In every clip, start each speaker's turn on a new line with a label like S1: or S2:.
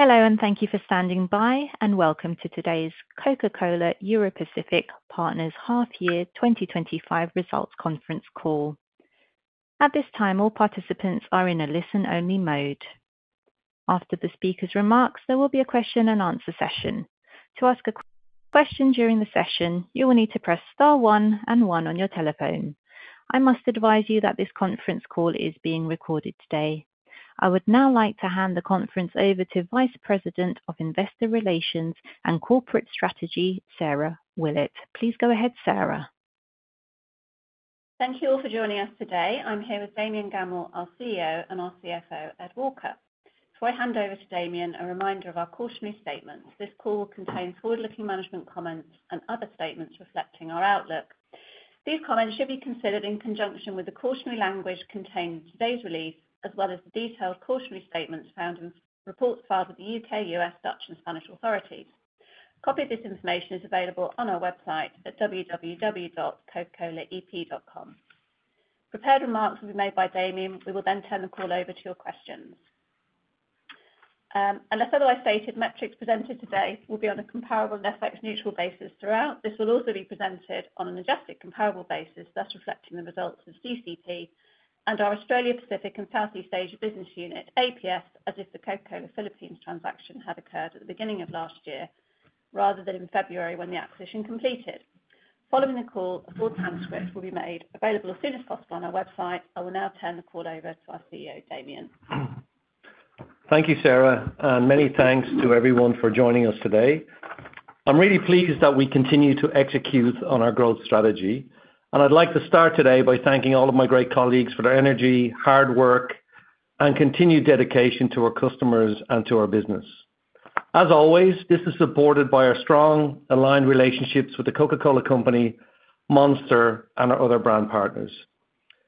S1: Hello and thank you for standing by and welcome to today's Coca-Cola Europacific Partners half year 2025 results conference call. At this time all participants are in a listen-only mode. After the speaker's remarks there will be a question-and-answer session. To ask a question during the session you will need to press star one and one on your telephone. I must advise you that this conference call is being recorded today. I would now like to hand the conference over to Vice President of Investor Relations and Corporate Strategy, Sarah Willett. Please go ahead. Sarah.
S2: Thank you all for joining us today. I'm here with Damian Gammell, our CEO, and our CFO, Ed Walker. Before I hand over to Damian, a reminder of our cautionary statements: this call contains forward-looking management comments and other statements reflecting our outlook. These comments should be considered in conjunction with the cautionary language contained in today's release as well as the detailed cautionary statements found in reports filed with the U.K., U.S., Dutch, and Spanish authorities. A copy of this information is available on our website at www.cocacolaep.com. Prepared remarks will be made by Damian. We will then turn the call over to your questions, and as otherwise stated, metrics presented today will be on a comparable and FX-neutral basis throughout. This will also be presented on an adjusted comparable basis, thus reflecting the results of CCEP and our Australia, Pacific, and Southeast Asia Business Unit, APS, as if the Coca-Cola Philippines transaction had occurred at the beginning of last year rather than in February when the acquisition completed. Following the call, a full transcript will be made available as soon as possible on our website. I will now turn the call over to our CEO, Damian.
S3: Thank you, Sarah, and many thanks to everyone for joining us today. I'm really pleased that we continue to execute on our growth strategy, and I'd like to start today by thanking all of my great colleagues for their energy, hard work, and continued dedication to our customers and to our business. As always, this is supported by our strong, aligned relationships with The Coca-Cola Company, Monster, and our other brand partners.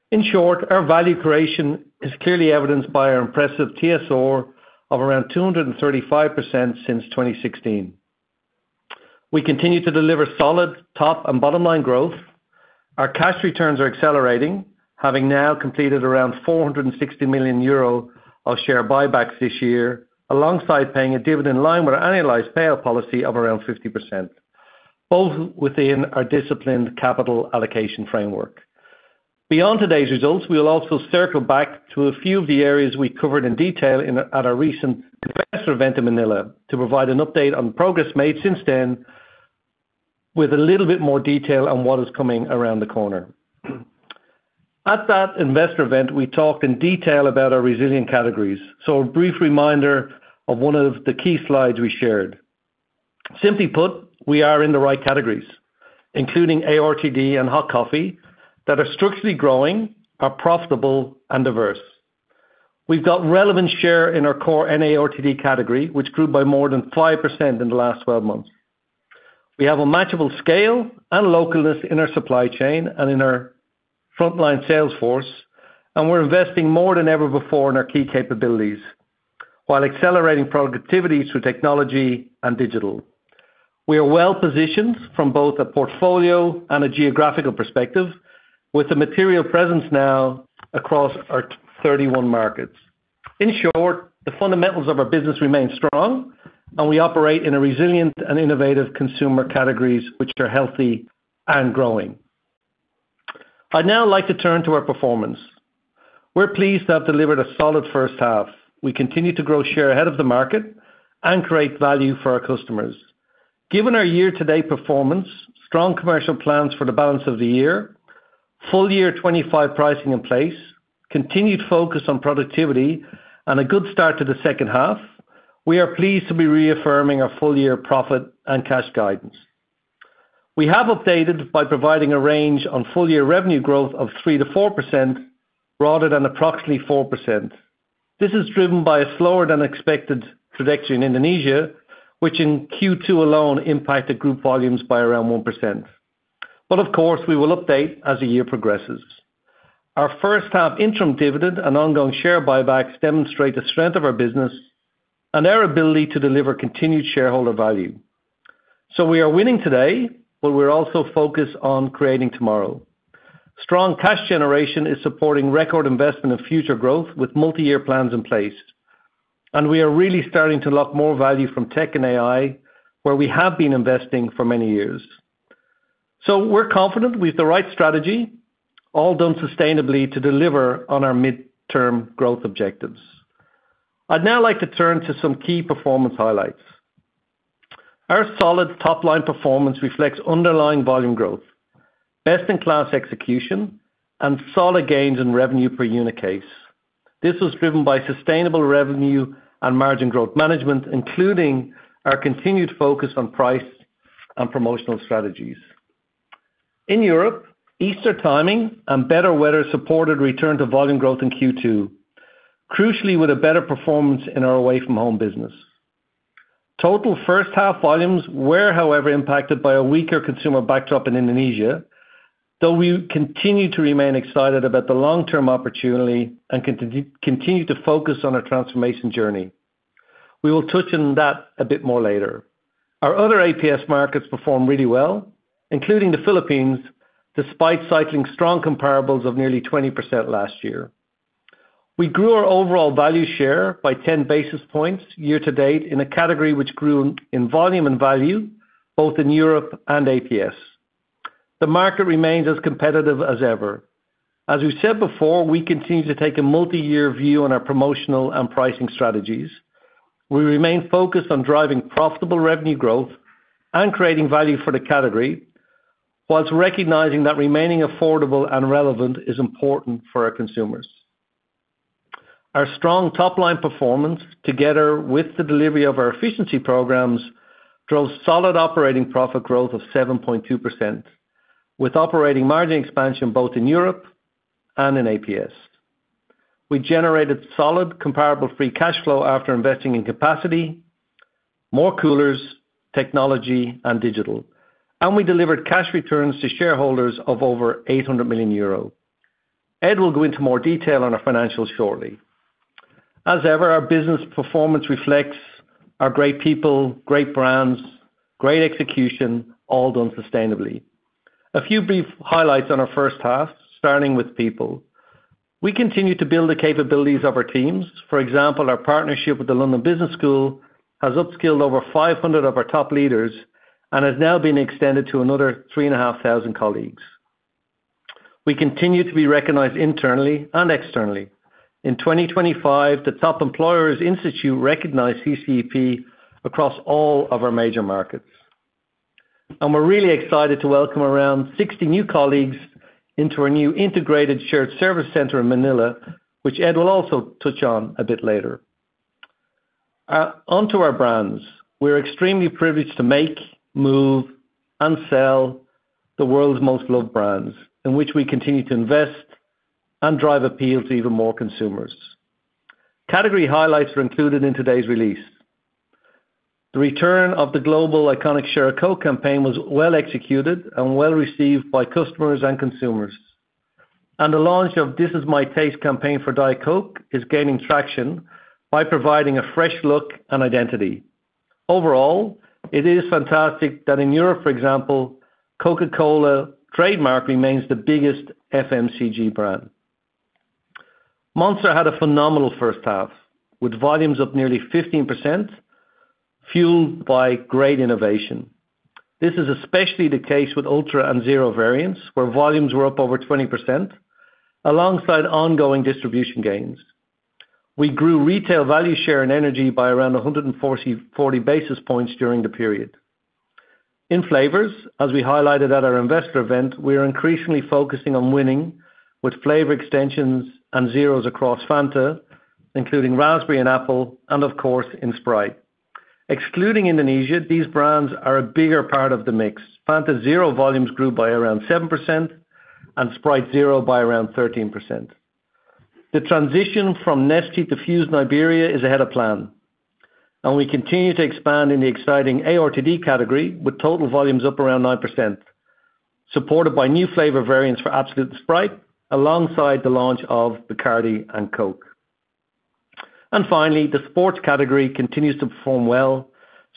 S3: In short, our value creation is clearly evidenced by our impressive TSR of around 235% since 2016. We continue to deliver solid top and bottom line growth. Our cash returns are accelerating, having now completed around 460 million euro of share buybacks this year alongside paying a dividend in line with our annualized payout policy of around 50%, both within our disciplined capital allocation framework. Beyond today's results, we will also circle. Back to a few of the areas. We covered in detail at our recent investment in Manila to provide an update on progress made since then with a little bit more detail on what is coming around the corner. At that investor event we talked in detail about our resilient categories, so a brief reminder of one of the key slides we shared. Simply put, we are in the right categories including ARTD and Hot Coffee that are structurally growing, are profitable and diverse. We've got relevant share in our core NARTD category which grew by more than 5% in the last 12 months. We have a matchable scale and localness in our supply chain and in our frontline sales force. We're investing more than ever before in our key capabilities while accelerating productivity through technology and digital. We are well positioned from both a portfolio and a geographical perspective with a material presence now across our 31 markets. In short, the fundamentals of our business remain strong and we operate in resilient and innovative consumer categories which are healthy and growing. I'd now like to turn to our performance. We're pleased to have delivered a solid first half. We continue to grow, share ahead of the market and create value for our customers. Given our year to date performance, strong commercial plans for the balance of the year, full year 2025 pricing in place, continued focus on productivity and a good start to the second half, we are pleased to be reaffirming our full year profit and cash guidance. We have updated by providing a range on full year revenue growth of 3%-4% rather than approximately 4%. This is driven by a slower than expected trajectory in Indonesia which in Q2 alone impacted group volumes by around 1%. Of course, we will update as the year progresses. Our first half interim dividend and ongoing share buybacks demonstrate the strength of our business and our ability to deliver continued shareholder value. We are winning today, but we're also focused on creating tomorrow. Strong cash generation is supporting record investment and future growth with multi-year plans in place and we are really starting to lock more value from tech and AI where we have been investing for many years. We're confident with the right strategy, all done sustainably to deliver on our mid-term growth objectives. I'd now like to turn to some key performance highlights. Our solid top line performance reflects underlying volume growth, best in class execution and solid gains in revenue per unit case. This was driven by sustainable revenue and margin growth management, including our continued focus on price and promotional strategies in Europe. Easter timing and better weather supported return to volume growth in Q2, crucially with a better performance in our away from home business. Total first half volumes were, however, impacted by a weaker consumer backdrop in Indonesia, though we continue to remain excited about the long term opportunity and continue to focus on our transformation journey. We will touch on that a bit more later. Our other APS markets performed really well, including the Philippines. Despite cycling strong comparables of nearly 20% last year, we grew our overall value share by 10 basis points year to date in a category which grew in volume and value both in Europe and APS. The market remains as competitive as ever. As we said before, we continue to take a multi-year view on our promotional and pricing strategies. We remain focused on driving profitable revenue growth and creating value for the category whilst recognizing that remaining affordable and relevant is important for our consumers. Our strong top line performance, together with the delivery of our efficiency programs, drove solid operating profit growth of 7.2% with operating margin expansion both in Europe and in APS. We generated solid comparable free cash flow after investing in capacity, more coolers, technology, and digital, and we delivered cash returns to shareholders of over 800 million euro. Ed will go into more detail on our financials shortly. As ever, our business performance reflects our great people, great brands, great execution, all done sustainably. A few brief highlights on our first half. Starting with people, we continue to build the capabilities of our teams. For example, our partnership with the London Business School has upskilled over 500 of our top leaders and has now been extended to another 3,500 colleagues. We continue to be recognized internally and externally. In 2025, the Top Employers Institute recognized CCEP across all of our major markets, and we're really excited to welcome around 60 new colleagues into our new integrated Shared Service Center in Manila, which Ed will also touch on a bit later. Onto our brands, we're extremely privileged to make, move, and sell the world's most loved brands in which we continue to invest and drive appeal to even more consumers. Category highlights are included in today's release. The return of the global iconic Share a Coke campaign was well executed and well received by customers and consumers, and the launch of This Is My Taste for Diet Coke is gaining traction by providing a fresh look and identity. Overall, it is fantastic that in Europe, for example, Coca-Cola trademark remains the biggest FMCG brand. Monster had a phenomenal first half with volumes up nearly 15% fueled by great innovation. This is especially the case with Ultra and zero variants where volumes were up over 20% alongside ongoing distribution gains. We grew retail value share in energy by around 140 basis points during the period in flavors. As we highlighted at our investor event, we are increasingly focusing on winning with flavor extensions and zeros across Fanta, including Raspberry and Apple, and of course in Sprite. Excluding Indonesia, these brands are a bigger part of the mix. Fanta Zero volumes grew by around 7% and Sprite Zero by around 13%. The transition from Nestea to Fuze Iberia is ahead of plan and we continue to expand in the exciting ARTD category with total volumes up around 9% supported by new flavor variants for Absolute Sprite alongside the launch of Bacardi and Coke. Finally, the Sports category continues to perform well,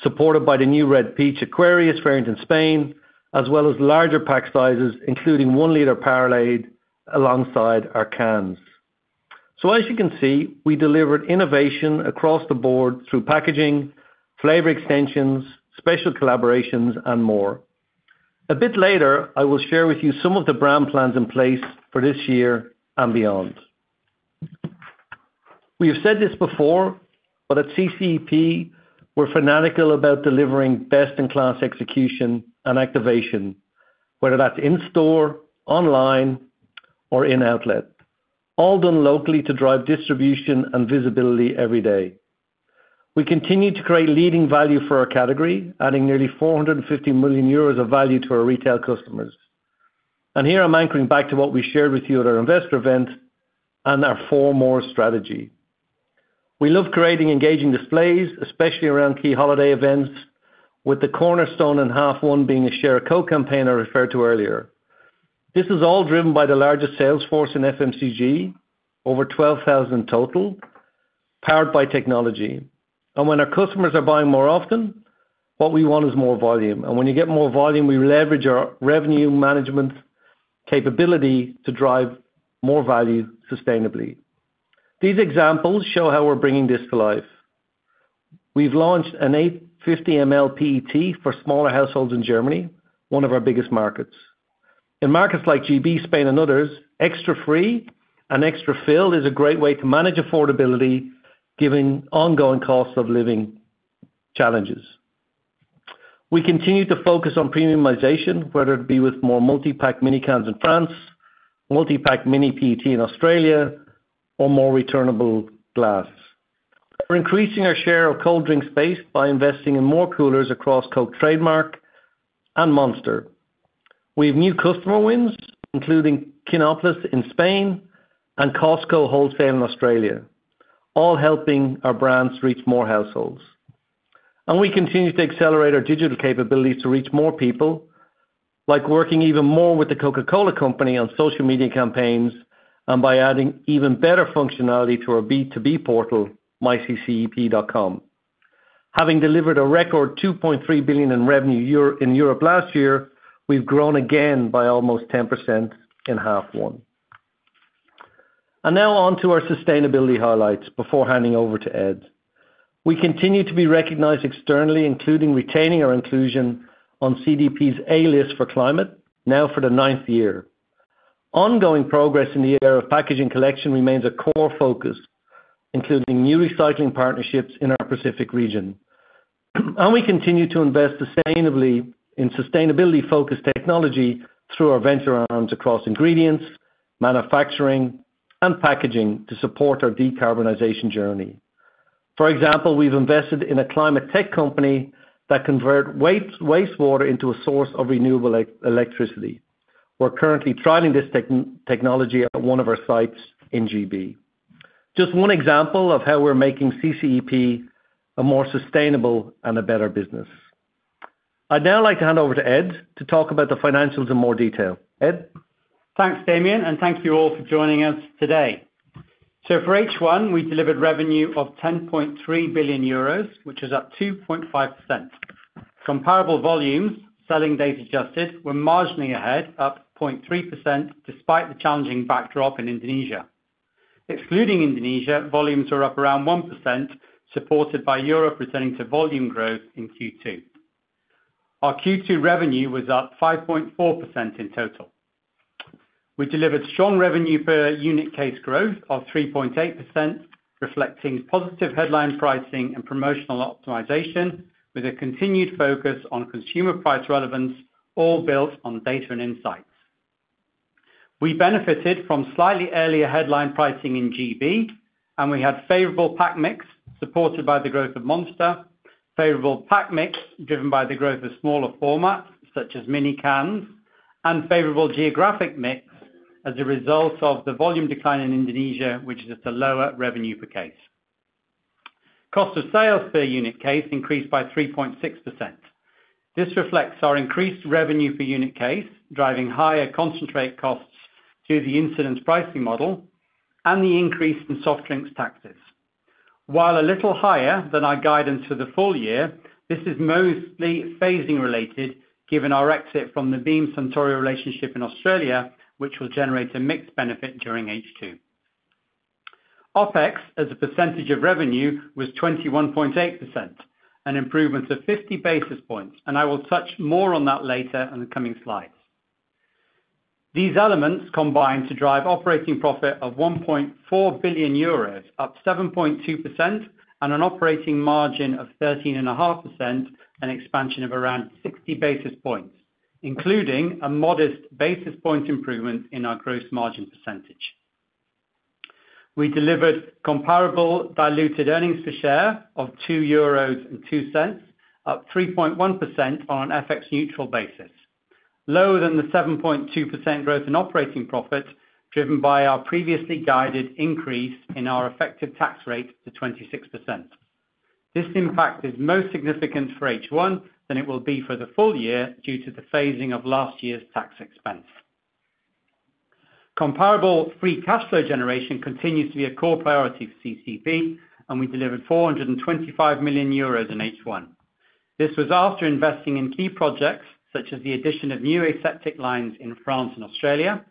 S3: supported by the new Red Peach Aquarius variant in Spain, as well as larger pack sizes including 1 liter Powerade alongside our cans. As you can see, we delivered innovation across the board through packaging, flavor extensions, special collaborations, and more. A bit later I will share with you some of the brand plans in place for this year and beyond. We have said this before, but at CCEP we're fanatical about delivering best-in-class execution and activation, whether that's in store, online, or in outlet. All done locally to drive distribution and visibility every day, we continue to create leading value for our category, adding nearly 450 million euros of value to our retail customers. Here I'm anchoring back to what we shared with you at our investor event and our four more strategy. We love creating engaging displays, especially around key holiday events, with the cornerstone and hallmark being a Share a Coke campaign I referred to earlier. This is all driven by the largest sales force in FMCG, over 12,000 total powered by technology, and when our customers are buying more often, what we want is more volume. When you get more volume, we leverage our revenue management capability to drive more value sustainably. These examples show how we're bringing this to life. We've launched an 850ml PET for smaller households in Germany, one of our biggest markets. In markets like GB, Spain, and others, extra free and extra filled is a great way to manage affordability given ongoing cost of living challenges. We continue to focus on premiumization, whether it be with more multipack mini cans in France, multipack mini PET in Australia, or more returnable glass. We're increasing our share of cold drink space by investing in more coolers across Coke Trademark, Monster. We have new customer wins including Kinepolis in Spain and Costco Wholesale in Australia, all helping our brands reach more households. We continue to accelerate our digital capabilities to reach more people, like working even more with The Coca-Cola Company on social media campaigns and by adding even better functionality to our B2B portal, myCCEP.com. Having delivered a record $2.3 billion in revenue in Europe last year, we've grown again by almost 10% in half one. Now on to our sustainability highlights before handing over to Ed. We continue to be recognized externally, including retaining our inclusion on CDP's A List for Climate now for the ninth year. Ongoing progress in the area of packaging collection remains a core focus, including new recycling partnerships in our Pacific region, and we continue to invest in sustainability-focused technology through our venture arms across ingredients, manufacturing, and packaging to support our decarbonisation journey. For example, we've invested in a climate tech company that converts wastewater into a source of renewable electricity. We're currently trialing this technology at one of our sites in GB. This is just one example of how we're making CCEP a more sustainable and a better business. I'd now like to hand over to Ed to talk about the financials in more detail. Ed?
S4: Thanks Damian, and thank you all for joining us today. For H1, we delivered revenue of 10.3 billion euros, which is up 2.5%. Comparable volumes, selling day adjusted, were marginally ahead, up 0.3% despite the challenging backdrop in Indonesia. Excluding Indonesia, volumes were up around 1%, supported by Europe returning to volume growth in Q2. Our Q2 revenue was up 5.4%. In total, we delivered strong revenue per unit case growth of 3.8%, reflecting positive headline pricing and promotional optimization with a continued focus on consumer price relevance, all built on data and insights. We benefited from slightly earlier headline pricing in GB, and we had favorable pack mix supported by the growth of Monster, favorable pack mix driven by the growth of smaller formats such as mini cans, and favorable geographic mix. As a result of the volume decline in Indonesia, which is at a lower revenue per case, cost of sales per unit case increased by 3.6%. This reflects our increased revenue per unit case, driving higher concentrate costs through the incidence pricing model and the increase in soft drinks taxes. While a little higher than our guidance for the full year, this is mostly phasing related given our exit from the Beam Suntory relationship in Australia, which will generate a mix benefit during H2. OpEx as a percentage of revenue was 21.8%, an improvement of 50 basis points, and I will touch more on that later in the coming slides. These elements combine to drive operating profit of 1.4 billion euros, up 7.2%, and an operating margin of 13.5%, an expansion of around 60 basis points, including a modest basis point improvement in our gross margin percentage. We delivered comparable diluted earnings per share of 2.02 euros, up 3.1% on an FX-neutral basis, lower than the 7.2% growth in operating profit, driven by our previously guided increase in our effective tax rate to 26%. This impact is most significant for H1 than it will be for the full year due to the phasing of last year's tax expense. Comparable free cash flow generation continues to be a core priority for CCEP, and we delivered 425 million euros in H1. This was after investing in key projects such as the addition of new aseptic lines in France and Australia,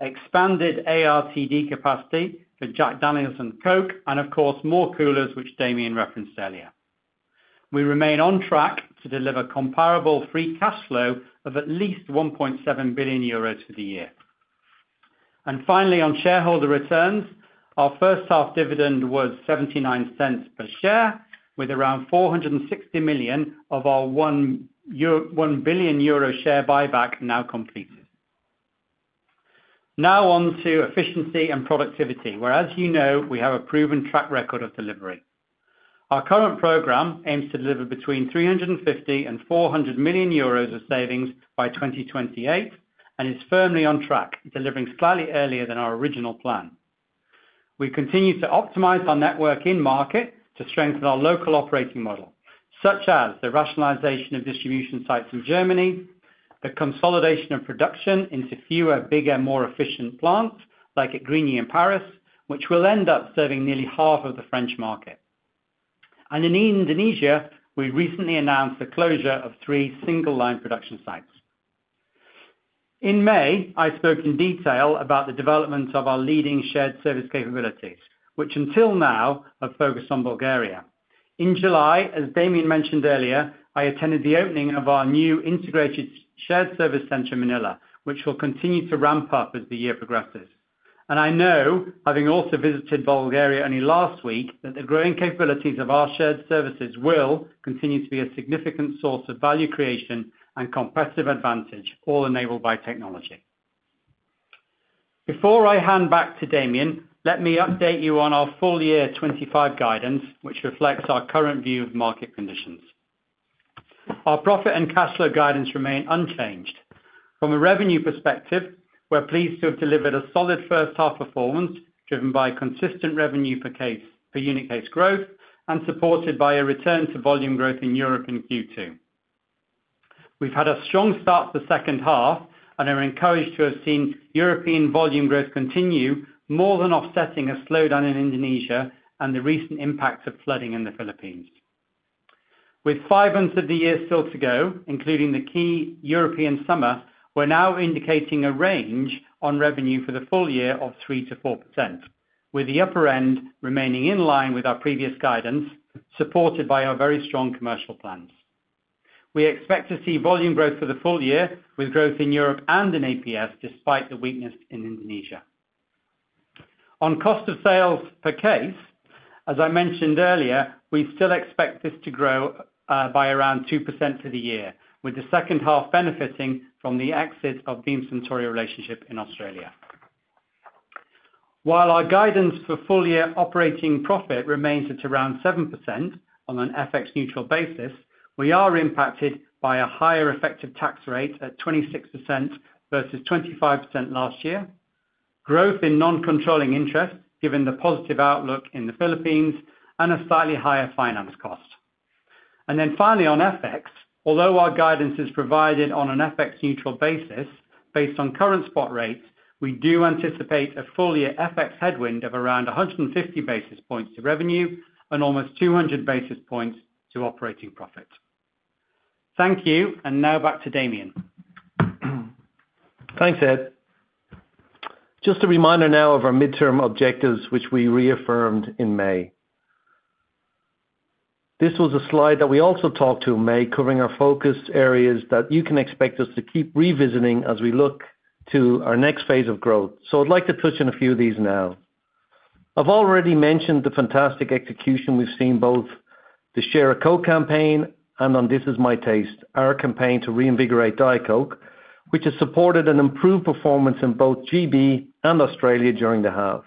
S4: expanded ARTD capacity for Jack Daniels and Coke, and of course more coolers, which Damian referenced earlier. We remain on track to deliver comparable free cash flow of at least 1.7 billion euros for the year. Finally, on shareholder returns, our first half dividend was $0.79 per share with around $460 million of our 1 billion euro share buyback now completed. Now on to efficiency and productivity, where, as you know, we have a proven track record of delivery. Our current program aims to deliver between 350 million and 400 million euros of savings by 2028 and is firmly on track, delivering slightly earlier than our original plan. We continue to optimize our network in market to strengthen our local operating model, such as the rationalization of distribution sites in Germany, the consolidation of production into fewer, bigger, more efficient plants like at Grigny in Paris, which will end up serving nearly half of the French market, and in Indonesia we recently announced the closure of three single line production sites. In May, I spoke in detail about the development of our leading shared service capabilities, which until now are focused on Bulgaria. In July, as Damian mentioned earlier, I attended the opening of our new integrated Shared Service Center in Manila, which will continue to ramp up as the year progresses. I know, having also visited Bulgaria only last week, that the growing capabilities of our shared services will continue to be a significant source of value creation and competitive advantage, all enabled by technology. Before I hand back to Damian, let me update you on our full year 2025 guidance, which reflects our current view of market conditions. Our profit and cash flow guidance remain unchanged. From a revenue perspective, we're pleased to have delivered a solid first half performance driven by consistent revenue per unit case growth and supported by a return to volume growth in Europe. In Q2, we've had a strong start to the second half and are encouraged to have seen European volume growth continue, more than offsetting a slowdown in Indonesia and the recent impacts of flooding in the Philippines. With five months of the year still to go, including the key European summer, we're now indicating a range on revenue for the full year of 3%-4%, with the upper end remaining in line with our previous guidance, supported by our very strong commercial plans. We expect to see volume growth for the full year with growth in Europe and in APAC, despite the weakness in Indonesia on cost of sales per case. As I mentioned earlier, we still expect this to grow by around 2% for the year, with the second half benefiting from the exit of the incentorial relationship in Australia. While our guidance for full year operating profit remains at around 7% on an FX neutral basis, we are impacted by a higher effective tax rate at 26% versus 25% last year, growth in non-controlling interest given the positive outlook in the Philippines, and a slightly higher finance cost. Finally, on FX, although our guidance is provided on an FX neutral basis based on current spot rates, we do anticipate a full year FX headwind of around 150 basis points to revenue and almost 200 basis points to operating profit. Thank you, and now back to Damian.
S3: Thanks, Ed. Just a reminder now of our midterm objectives which we reaffirmed in May. This was a slide that we also talked to in May covering our focus areas that you can expect us to keep revisiting as we look to our next phase of growth. I'd like to touch on a few of these now. I've already mentioned the fantastic execution we've seen both the Share a Coke campaign and on This Is My Taste, our campaign to reinvigorate Diet Coke, which has supported an improved performance in both GB and Australia during the half.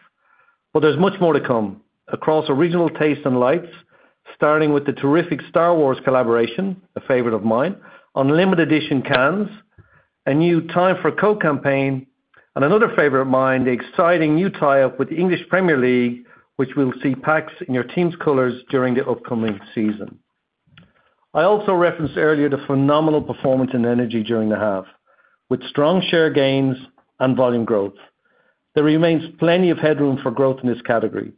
S3: There's much more to come across original taste and lights, starting with the terrific Star Wars collaboration, a favorite of mine on limited edition cans, a new Time for Co campaign, and another favorite of mine, the exciting new tie up with the English Premier League, which will see packs in your team's colors during the upcoming season. I also referenced earlier the phenomenal performance in energy during the half with strong share gains and volume growth. There remains plenty of headroom for growth in this category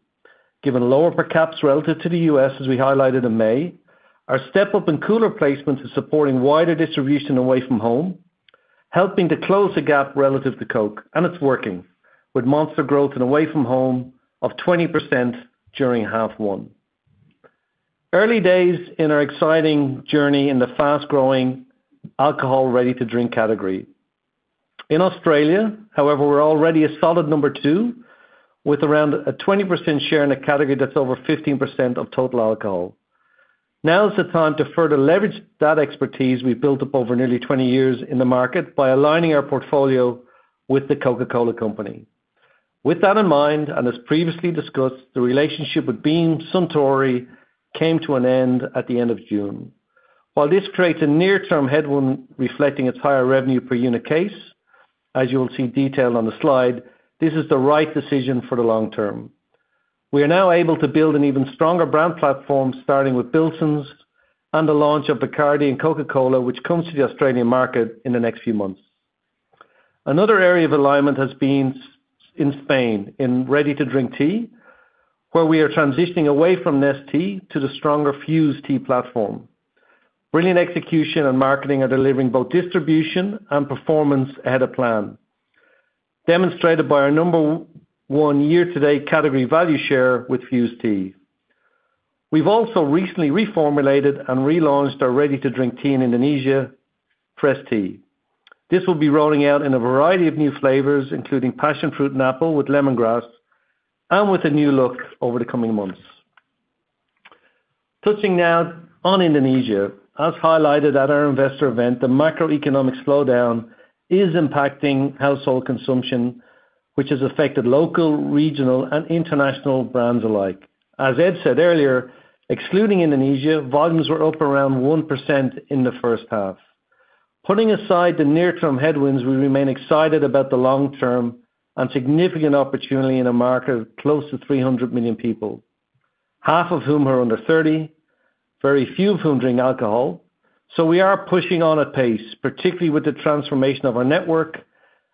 S3: given lower per caps relative to the U.S. As we highlighted in May, our step up in cooler placements is supporting wider distribution away from home, helping to close the gap relative to Coke, and it's working with Monster growth in away from home of 20% during half one. Early days in our exciting journey in the fast growing alcohol Ready to Drink category in Australia, however, we're already a solid number two with around a 20% share in a category that's over 15% of total alcohol. Now is the time to further leverage that expertise we've built up over nearly 20 years in the market by aligning our portfolio with The Coca-Cola Company. With that in mind and as previously discussed, the relationship with Beam Suntory came to an end at the end of June. While this creates a near term headwind reflecting its higher revenue per unit case, as you will see detailed on the slide, this is the right decision for the long term. We are now able to build an even stronger brand platform starting with Billson's and the launch of Bacardi and Coca-Cola which comes to the Australian market in the next few months. Another area of alignment has been in Spain in Ready to Drink Tea where we are transitioning away from Nestea to the stronger Fuze Tea platform. Brilliant execution and marketing are delivering both distribution and performance ahead of plan, demonstrated by our number one year to date category value share with Fuze Tea. We've also recently reformulated and relaunched our Ready to Drink Tea in Indonesia, Frestea. This will be rolling out in a variety of new flavors including Passion Fruit and Apple with Lemongrass and with a new look over the coming months. Touching now on Indonesia, as highlighted at our investor event, the macroeconomic slowdown is impacting household consumption which has affected local, regional, and international brands alike. As Ed said earlier, excluding Indonesia, volumes were up around 1% in the first half. Putting aside the near term headwinds, we remain excited about the long term and significant opportunity in Indonesia. Close to 300 million people, half of whom are under 30, very few of whom drink alcohol. We are pushing on at pace, particularly with the transformation of our network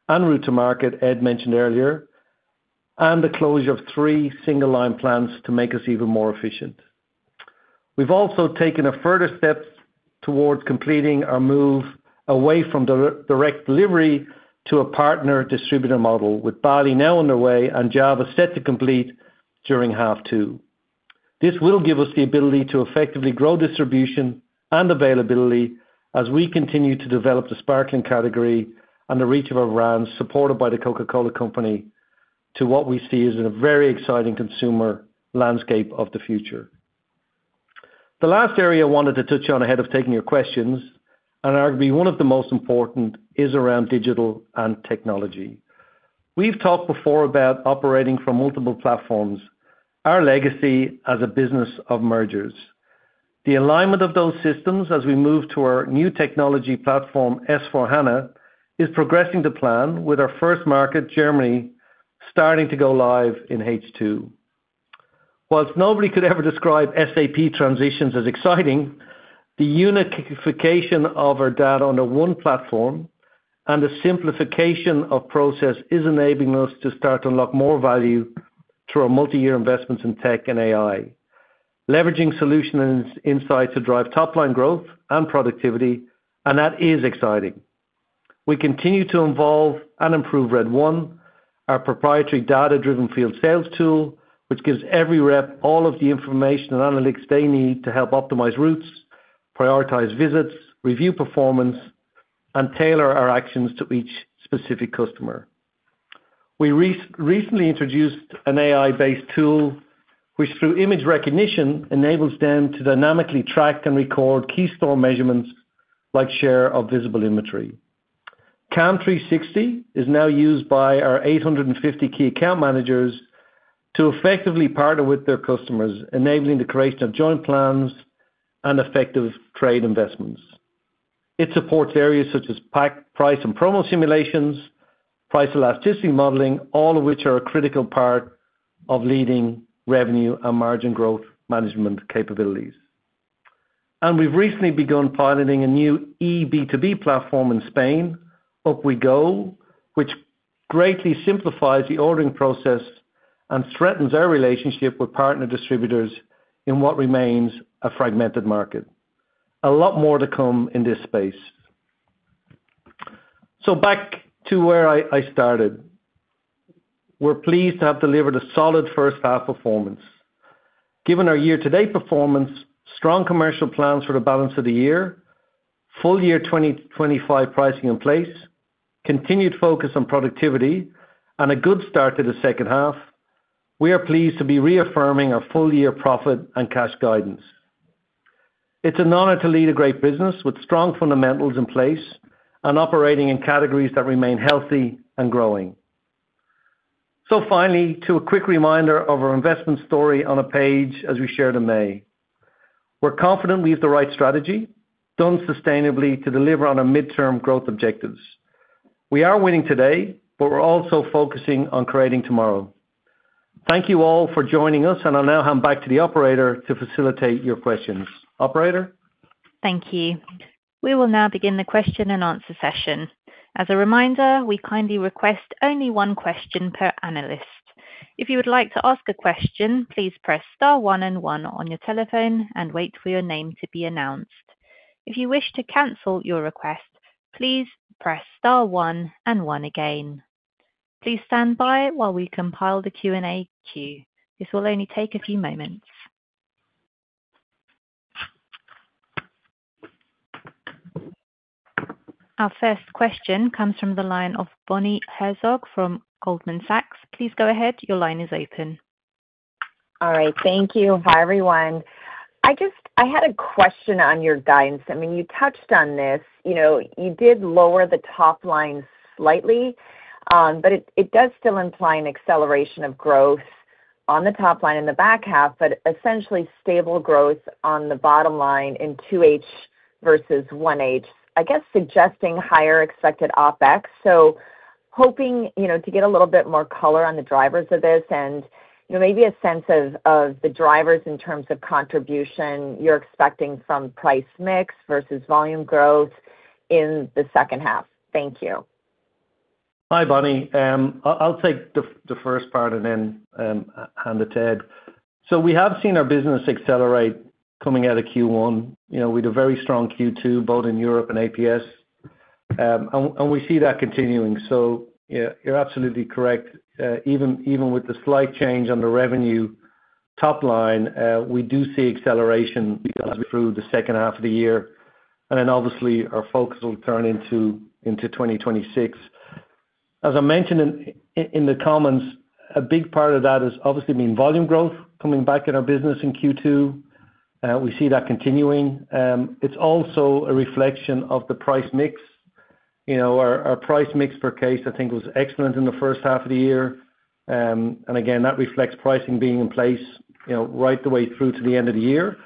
S3: and route-to-market model Ed mentioned earlier and the closure of three single line plants to make us even more efficient. We've also taken further steps towards completing our move away from direct delivery to a partner distributor model with Bali now underway and Java set to complete during half two. This will give us the ability to effectively grow distribution and availability as we continue to develop the Sparkling category and the reach of our brands supported by The Coca-Cola Company to what we see as a very exciting consumer landscape of the future. The last area I wanted to touch on ahead of taking your questions, and arguably one of the most important, is around digital and technology. We've talked before about operating from multiple platforms, our legacy as a business of mergers, the alignment of those systems as we move to our new technology platform, S/4HANA, is progressing to plan with our first market, Germany, starting to go live in H2. Whilst nobody could ever describe SAP transitions as exciting, the unification of our data on one platform and the simplification of process is enabling us to start to unlock more value through our multi-year investments in tech and AI, leveraging solutions and insights to drive top line growth and productivity, and that is exciting. We continue to evolve and improve RED ONE, our proprietary data-driven field sales tool, which gives every rep all of the information and analytics they need to help optimize routes, prioritize visits, review performance, and tailor our actions to each specific customer. We recently introduced an AI-based tool which, through image recognition, enables them to dynamically track and record key store measurements like share of visible inventory. CAM360 is now used by our 850 key account managers to effectively partner with their customers, enabling the creation of joint plans and effective trade investments. It supports areas such as price and promo simulations, price elasticity modeling, all of which are a critical part of leading revenue and margin growth management capabilities. We've recently begun piloting a new eB2B platform in Spain, Up We Go, which greatly simplifies the ordering process and strengthens our relationship with partner distributors in what remains a fragmented market. A lot more to come in this space. Back to where I started, we're pleased to have delivered a solid first half performance. Given our year-to-date performance, strong commercial plans for the balance of the year, full year 2025 pricing in place, continued focus on productivity, and a good start to the second half, we are pleased to be reaffirming our full year profit and cash guidance. It's an honor to lead a great business with strong fundamentals in place and operating in categories that remain healthy and growing. Finally, a quick reminder of our investment story on a page as we shared in May. We're confident we have the right strategy, done sustainably, to deliver on our mid-term growth objectives. We are winning today, but we're also focusing on creating tomorrow. Thank you all for joining us, and I'll now hand back to the operator to facilitate your questions. Operator?
S1: Thank you. We will now begin the question-and-answer session. As a reminder, we kindly request only one question per analyst. If you would like to ask a question, please press star one and one on your telephone and wait for your name to be announced. If you wish to cancel your request, please press star one and one again. Please stand by while we compile the Q&A queue. This will only take a few moments. Our first question comes from the line of Bonnie Herzog from Goldman Sachs. Please go ahead. Your line is open.
S5: All right, thank you. Hi everyone. I just had a question on your guidance. I mean, you touched on this. You did lower the top line slightly, but it does still imply an acceleration of growth on the top line in the back half, but essentially stable growth on the bottom line in 2H versus 1H, I guess suggesting higher expected OpEx. Hoping to get a little bit more color on the drivers of this and maybe a sense of the drivers in terms of contribution you're expecting from price mix versus volume growth in the second half. Thank you.
S3: Hi, Bonnie. I'll take the first part and then hand it to Ed. We have seen our business accelerate coming out of Q1. We had a very strong Q2 both in Europe and APS, and we see that continuing. You're absolutely correct. Even with the slight change on the revenue top line, we do see acceleration through the second half of the year. Obviously, our focus will turn into 2026. As I mentioned in the comments, a big part of that has obviously been volume growth coming back in our business in Q2. We see that continuing. It's also a reflection of the price mix. Our price mix per case, I think, was excellent in the first half of the year. Again, that reflects pricing being in place right the way through to the end of the year.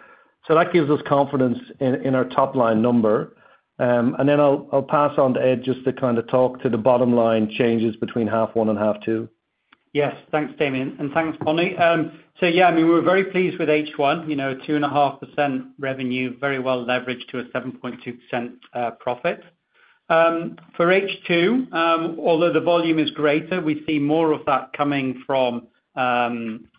S3: That gives us confidence in our top line number. I'll pass on to Ed just to kind of talk to the bottom line changes between half one and half two.
S4: Yes, thanks, Damian. And thanks, Bonnie. We were very pleased with H1, you know, 2.5% revenue, very well leveraged to a 7.2% profit for H2. Although the volume is greater, we see more of that coming from volume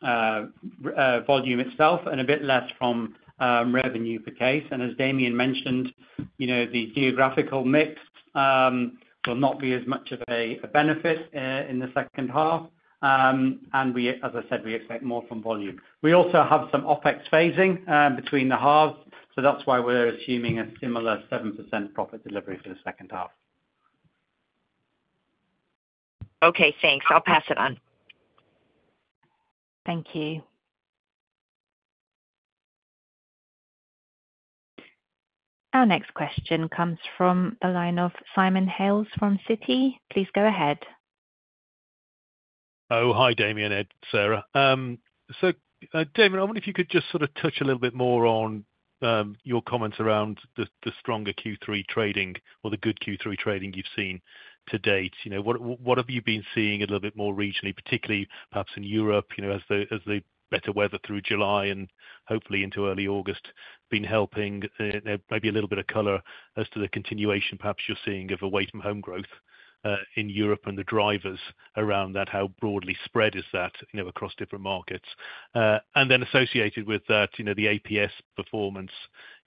S4: itself and a bit less from revenue per case. As Damian mentioned, the geographical mix will not be as much of a benefit in the second half. We expect more from volume. We also have some OpEx phasing between the halves. That's why we're assuming a similar 7% profit delivery for the second half.
S5: Okay, thanks. I'll pass it on.
S1: Thank you. Our next question comes from the line of Simon Hales from Citi. Please go ahead.
S6: Oh, hi, Damian and Sarah. Damian, I wonder if you could just sort of touch a little bit more on your comments around the stronger Q3 trading or the good Q3 trading you've seen to date. You know, what have you been seeing a little bit more regionally, particularly perhaps in Europe, as the better weather through July and hopefully into early August been helping maybe a little bit of color as to the continuation, perhaps you're seeing of away from home growth in Europe and the drivers around that. How broadly spread is that across different markets? Then associated with that, the APS performance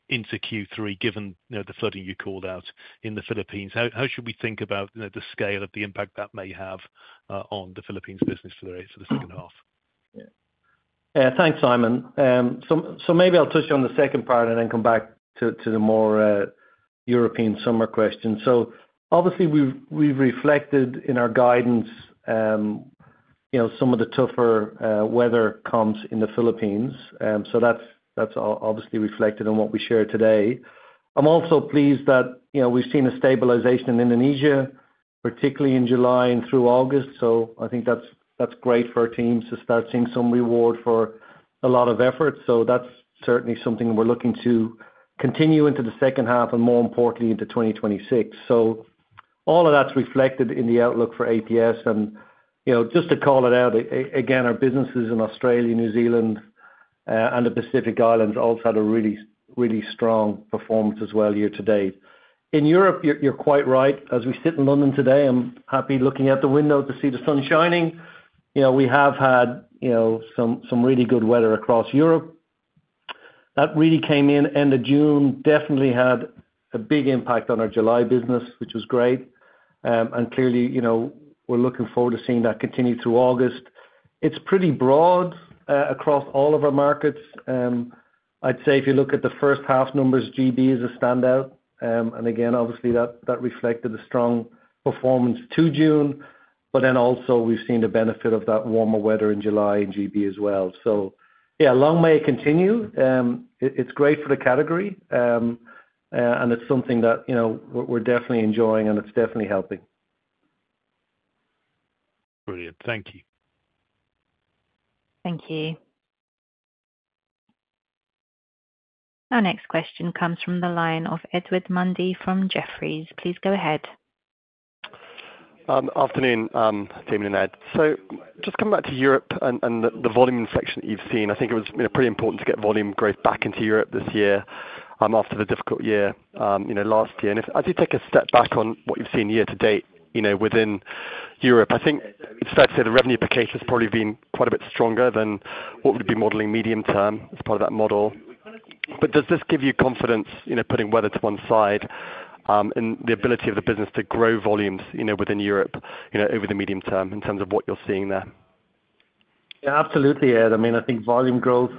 S6: into Q3, given the flooding you called out in the Philippines, how should we think about the scale of the impact that may have on the Philippines business for the rate for the second half?
S3: Thanks, Simon. Maybe I'll touch on the second part and then come back to the more European summer questions. Obviously we've reflected in our guidance some of the tougher weather comps in the Philippines. That's obviously reflected in what we share today. I'm also pleased that we've seen a stabilization in Indonesia, particularly in July and through August. I think that's great for our teams to start seeing some reward for a lot of effort. That's certainly something we're looking to continue into the second half and more importantly into 2026. All of that's reflected in the outlook for APS. Just to call it out again, our businesses in Australia, New Zealand, and the Pacific Islands also had a really, really strong performance as well year to date. In Europe, you're quite right. As we sit in London today, I'm happy looking out the window to see the sun shining. We have had some really good weather across Europe that really came in end of June. Definitely had a big impact on our July business, which was great and clearly we're looking forward to seeing that continue through August. It's pretty broad across all of our markets. I'd say if you look at the first half numbers, GB is a standout and again, obviously that reflected the strong performance to June. Then also we've seen the benefit of that warmer weather in July in GB as well. Long may continue. It's great for the category and it's something that we're definitely enjoying and it's definitely helping.
S6: Brilliant. Thank you.
S1: Thank you. Our next question comes from the line of Edward Mundy from Jefferies. Please go ahead.
S7: Afternoon, Damian and Ed. Just to come back to Europe and the volume inflection that you've seen. I think it was pretty important to get volume growth back into Europe this year after the difficult year last year. As you take a step back on what you've seen year to date, within Europe, I think it's fair to say the revenue per case has probably been quite a bit stronger than what would be modeling medium term as part of that model. Does this give you confidence, putting weather to one side, in the ability of the business to grow volumes within Europe over the medium term in terms of what you're seeing there?
S3: Absolutely, Ed. I think volume growth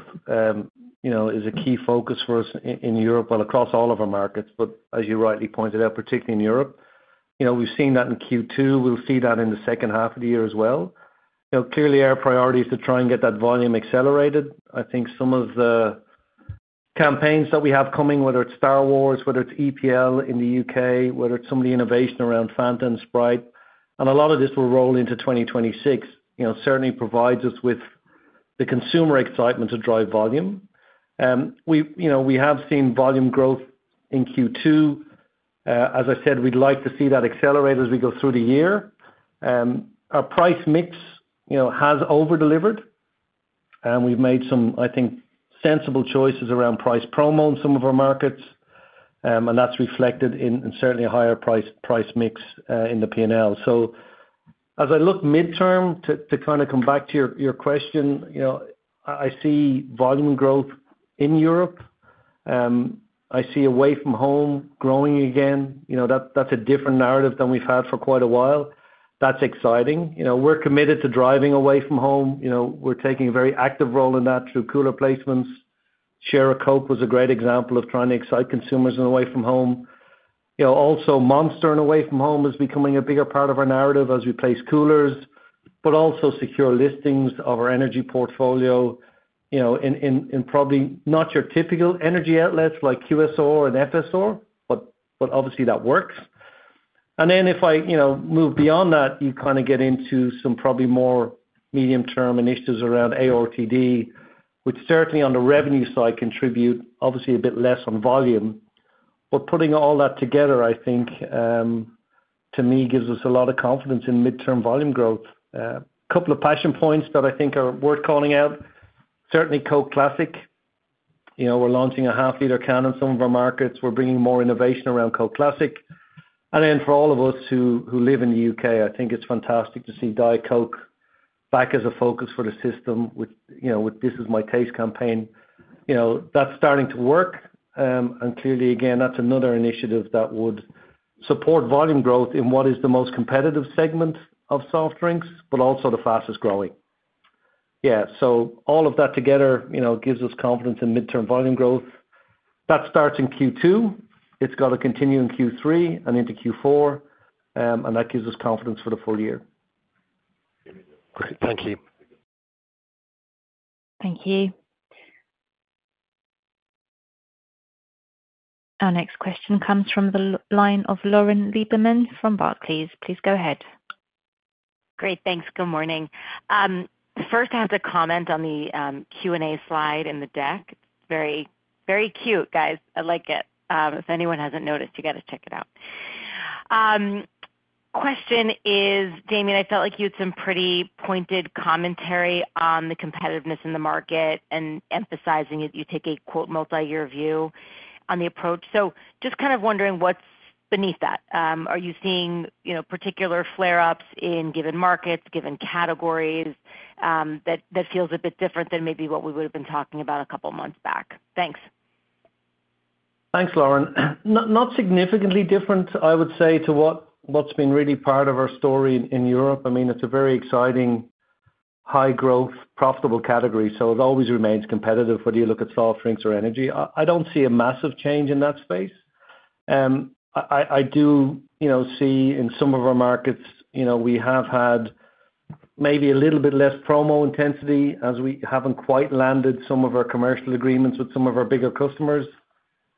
S3: is a key focus for us in Europe, well, across all of our markets. As you rightly pointed out, particularly in Europe, we've seen that in Q2, and we'll see that in the second half of the year as well. Clearly, our priority is to try and get that volume accelerated. I think some of the campaigns that we have coming, whether it's Star Wars, whether it's EPL in the U.K., whether it's some of the innovation around Fanta and Sprite, a lot of this will roll into 2026, certainly provides us with the consumer excitement to drive volume. We have seen volume growth in Q2. As I said, we'd like to see that accelerate as we go through the year. Our price mix has over-delivered, and we've made some, I think, sensible choices around price promo in some of our markets, and that's reflected in certainly a higher price mix in the P&L. As I look midterm to come back to your question, I see volume growth in Europe. I see Away from Home growing again. That's a different narrative than we've had for quite a while. That's exciting. We're committed to driving Away from Home. We're taking a very active role in that through cooler placements. Share a Coke was a great example of trying to excite consumers, and Away from Home, also Monster, and Away from Home is becoming a bigger part of our narrative as we place coolers but also secure listings of our energy portfolio, and probably not your typical energy outlets like QSR and FSR, but obviously that works. If I move beyond that, you get into some probably more medium term initiatives around ARTD, which certainly on the revenue side contribute obviously a bit less on volume. Putting all that together, I think to me gives us a lot of confidence in midterm volume growth. Couple of passion points that I think are worth calling out, certainly Coke Classic. You know, we're launching a half liter can in some of our markets. We're bringing more innovation around Coke Classic. For all of us who live in the U.K., I think it's fantastic to see Diet Coke back as a focus for the system with, you know, with This Is My Taste campaign. You know, that's starting to work and clearly again that's another initiative that would support volume growth in what is the most competitive segment of soft drinks, but also the fastest growing. Yeah, all of that together gives us confidence in midterm volume growth that starts in Q2. It's got to continue in Q3 and into Q4, and that gives us confidence for the full year.
S7: Great, thank you.
S1: Thank you. Our next question comes from the line of Lauren Lieberman from Barclays. Please go ahead.
S8: Great, thanks. Good morning. First, I have to comment on the Q&A slide in the deck. Very, very cute, guys. I like it. If anyone hasn't noticed, you got to check it out. Question is, Damian, I felt like you had some pretty pointed commentary on the competitiveness in the market and emphasizing that you take a, quote, multi-year view on the approach. Just kind of wondering what's beneath that. Are you seeing particular flare ups in given markets, given categories? That feels a bit different than maybe what we would have been talking about. A couple of months back. Thanks.
S3: Thanks, Lauren. Not significantly different, I would say, to what. What's been really part of our story in Europe. I mean, it's a very exciting, high-growth, profitable category. It always remains competitive, whether you look at soft drinks or energy. I don't see a massive change in that space. I do see in some of our markets we have had maybe a little bit less promo intensity as we haven't quite landed some of our commercial agreements with some of our bigger customers.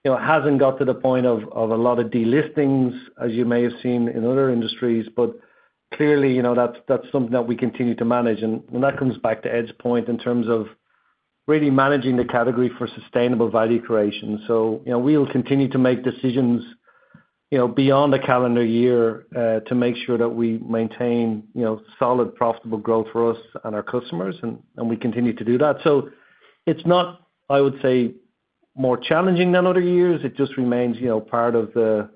S3: It hasn't got to the point of a lot of delistings, as you may have seen in other industries. Clearly, that's something that we continue to manage. That comes back to Ed's point in terms of really managing the category for sustainable value creation. We will continue to make decisions beyond the calendar year to make sure that we maintain solid, profitable growth for us and our customers, and we continue to do that. It's not, I would say, more challenging than other years. It just remains part of the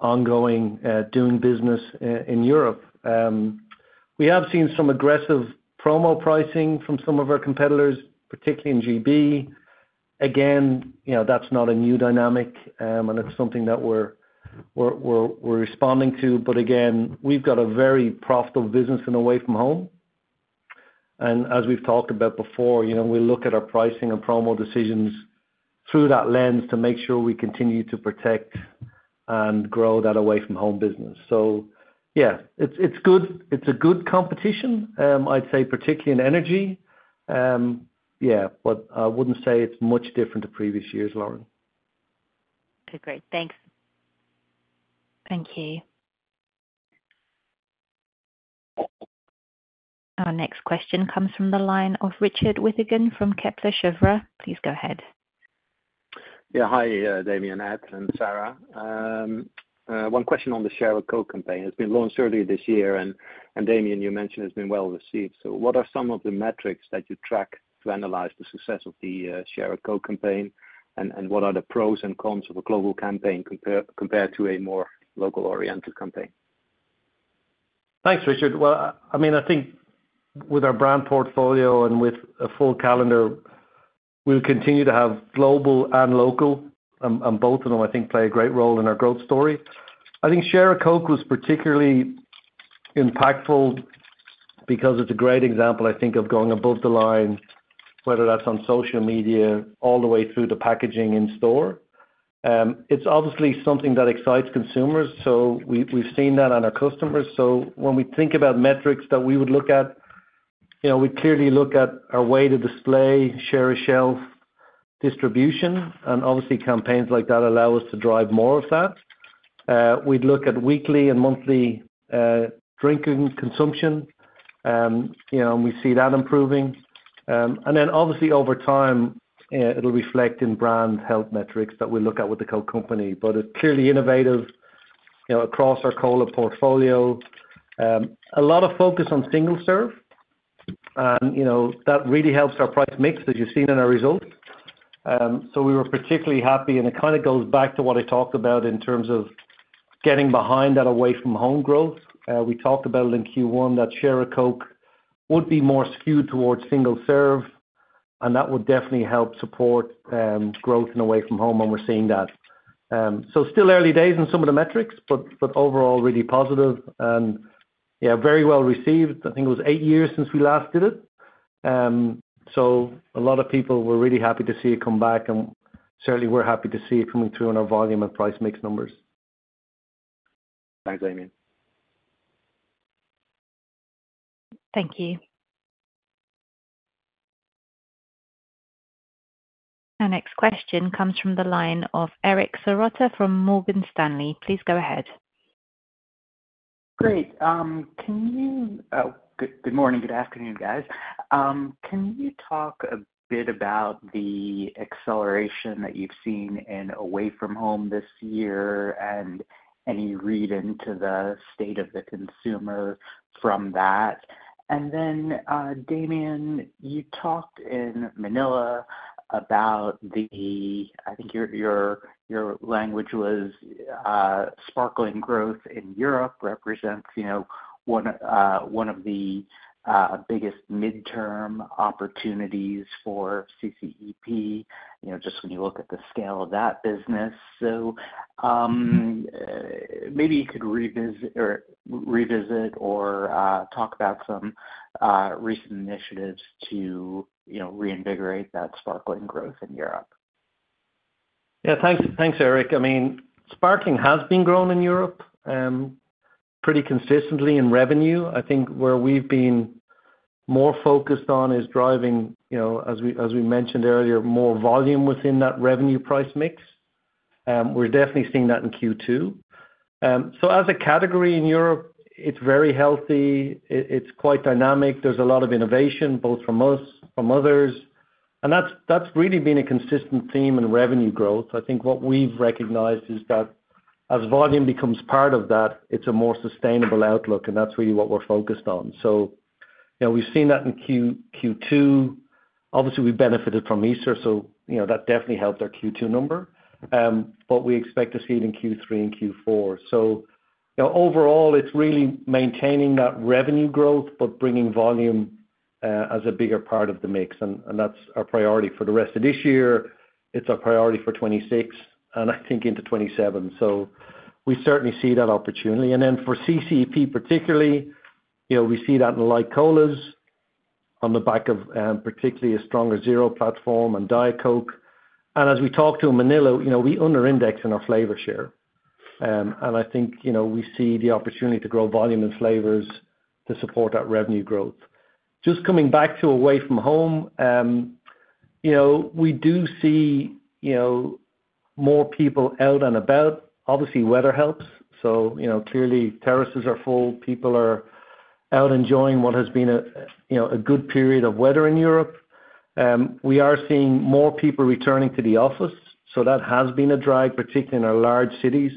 S3: ongoing doing business in Europe. We have seen some aggressive promo pricing from some of our competitors, particularly in GB. Again, that's not a new dynamic and it's something that we're responding to. We've got a very profitable business in away from home, and as we've talked about before, we look at our pricing and promo decisions through that lens to make sure we continue to protect and grow that away from home business. It's a good competition, I'd say, particularly in energy. I wouldn't say it's much different to previous years, Lauren.
S8: Okay, great. Thanks.
S1: Thank you. Our next question comes from the line of Richard Withagen from Kepler Cheuvreux. Please go ahead.
S9: Yeah. Hi, Damian, Ed and Sarah, one question on the Share a Coke campaign. It's been launched earlier this year and Damian, you mentioned it's been well received. What are some of the metrics that you track to analyze the success of the Share a Coke campaign? What are the pros and cons. Of a global campaign compared to a. More local or international company?
S3: Thanks, Richard. I mean, I think with our brand portfolio and with a full calendar, we'll continue to have global and local and both of them, I think, play a great role in our growth story. I think Share a Coke was particularly impactful because it's a great example, I think, of going above the line, whether that's on social media all the way through the packaging in store, and it's obviously something that excites consumers. We've seen that on our customers. When we think about metrics that we would look at, we clearly look at our way to display, share of shelf, distribution, and obviously campaigns like that allow us to drive more of that. We'd look at weekly and monthly drinking consumption, and we see that improving, and then over time it'll reflect in brand health metrics that we look at with The Coke Company, but it's clearly innovative across our cola portfolio. A lot of focus on single serve, and that really helps our price mix that you've seen in our results. We were particularly happy, and it kind of goes back to what I talked about in terms of getting behind that away from home growth. We talked about it in Q1 that Share a Coke would be more skewed towards single serve, and that would definitely help support growth in away from home, and we're seeing that. Still early days in some of the metrics, but overall really positive and, yeah, very well received. I think it was eight years since we last did it, so a lot of people were really happy to see it come back, and certainly we're happy to see it coming through in our volume and price mix numbers.
S9: Thanks, Damien.
S1: Thank you. Our next question comes from the line of Eric Serotta from Morgan Stanley. Please go ahead.
S10: Great. Can you. Good morning. Good afternoon, guys. Can you talk a bit about the. Acceleration that you've seen in Away From. Home this year and any read into. The state of the consumer from that. Damian, you talked in Manila about the. I think your language was sparkling. Growth in Europe represents, you know, one of the biggest midterm opportunities for CCEP. Just when you look at the scale of that business, maybe you could revisit or talk about some recent initiatives to reinvigorate that sparkling growth in Europe.
S3: Yeah, thanks, Eric. I mean, sparkling has been growing in Europe pretty consistently in revenue. I think where we've been more focused on is driving, as we mentioned earlier, more volume within that revenue price mix. We're definitely seeing that in Q2. As a category in Europe, it's very healthy, it's quite dynamic. There's a lot of innovation, both from us, from others, and that's really been a consistent theme in revenue growth. I think what we've recognized is that as volume becomes part of that, it's a more sustainable outlook and that's really what we're focused on. We've seen that in Q2. Obviously we benefited from Easter, so that definitely helped our Q2 number. We expect to see it in Q3 and Q4. Overall it's really maintaining that revenue growth but bringing volume as a bigger part of the mix. That's our priority for the rest of this year. It's a priority for 2026 and I think into 2027. We certainly see that opportunity. For CCEP particularly, we see that in colas on the back of particularly a stronger zero platform and Diet Coke. As we talk to Manila, we under index in our flavor share and I think we see the opportunity to grow volume and flavors to support that revenue growth. Just coming back to away from home, we do see more people out and about. Obviously weather helps, so clearly terraces are full, people are out enjoying what has been a good period of weather in Europe. We are seeing more people returning to the office. That has been a drag, particularly in our large cities.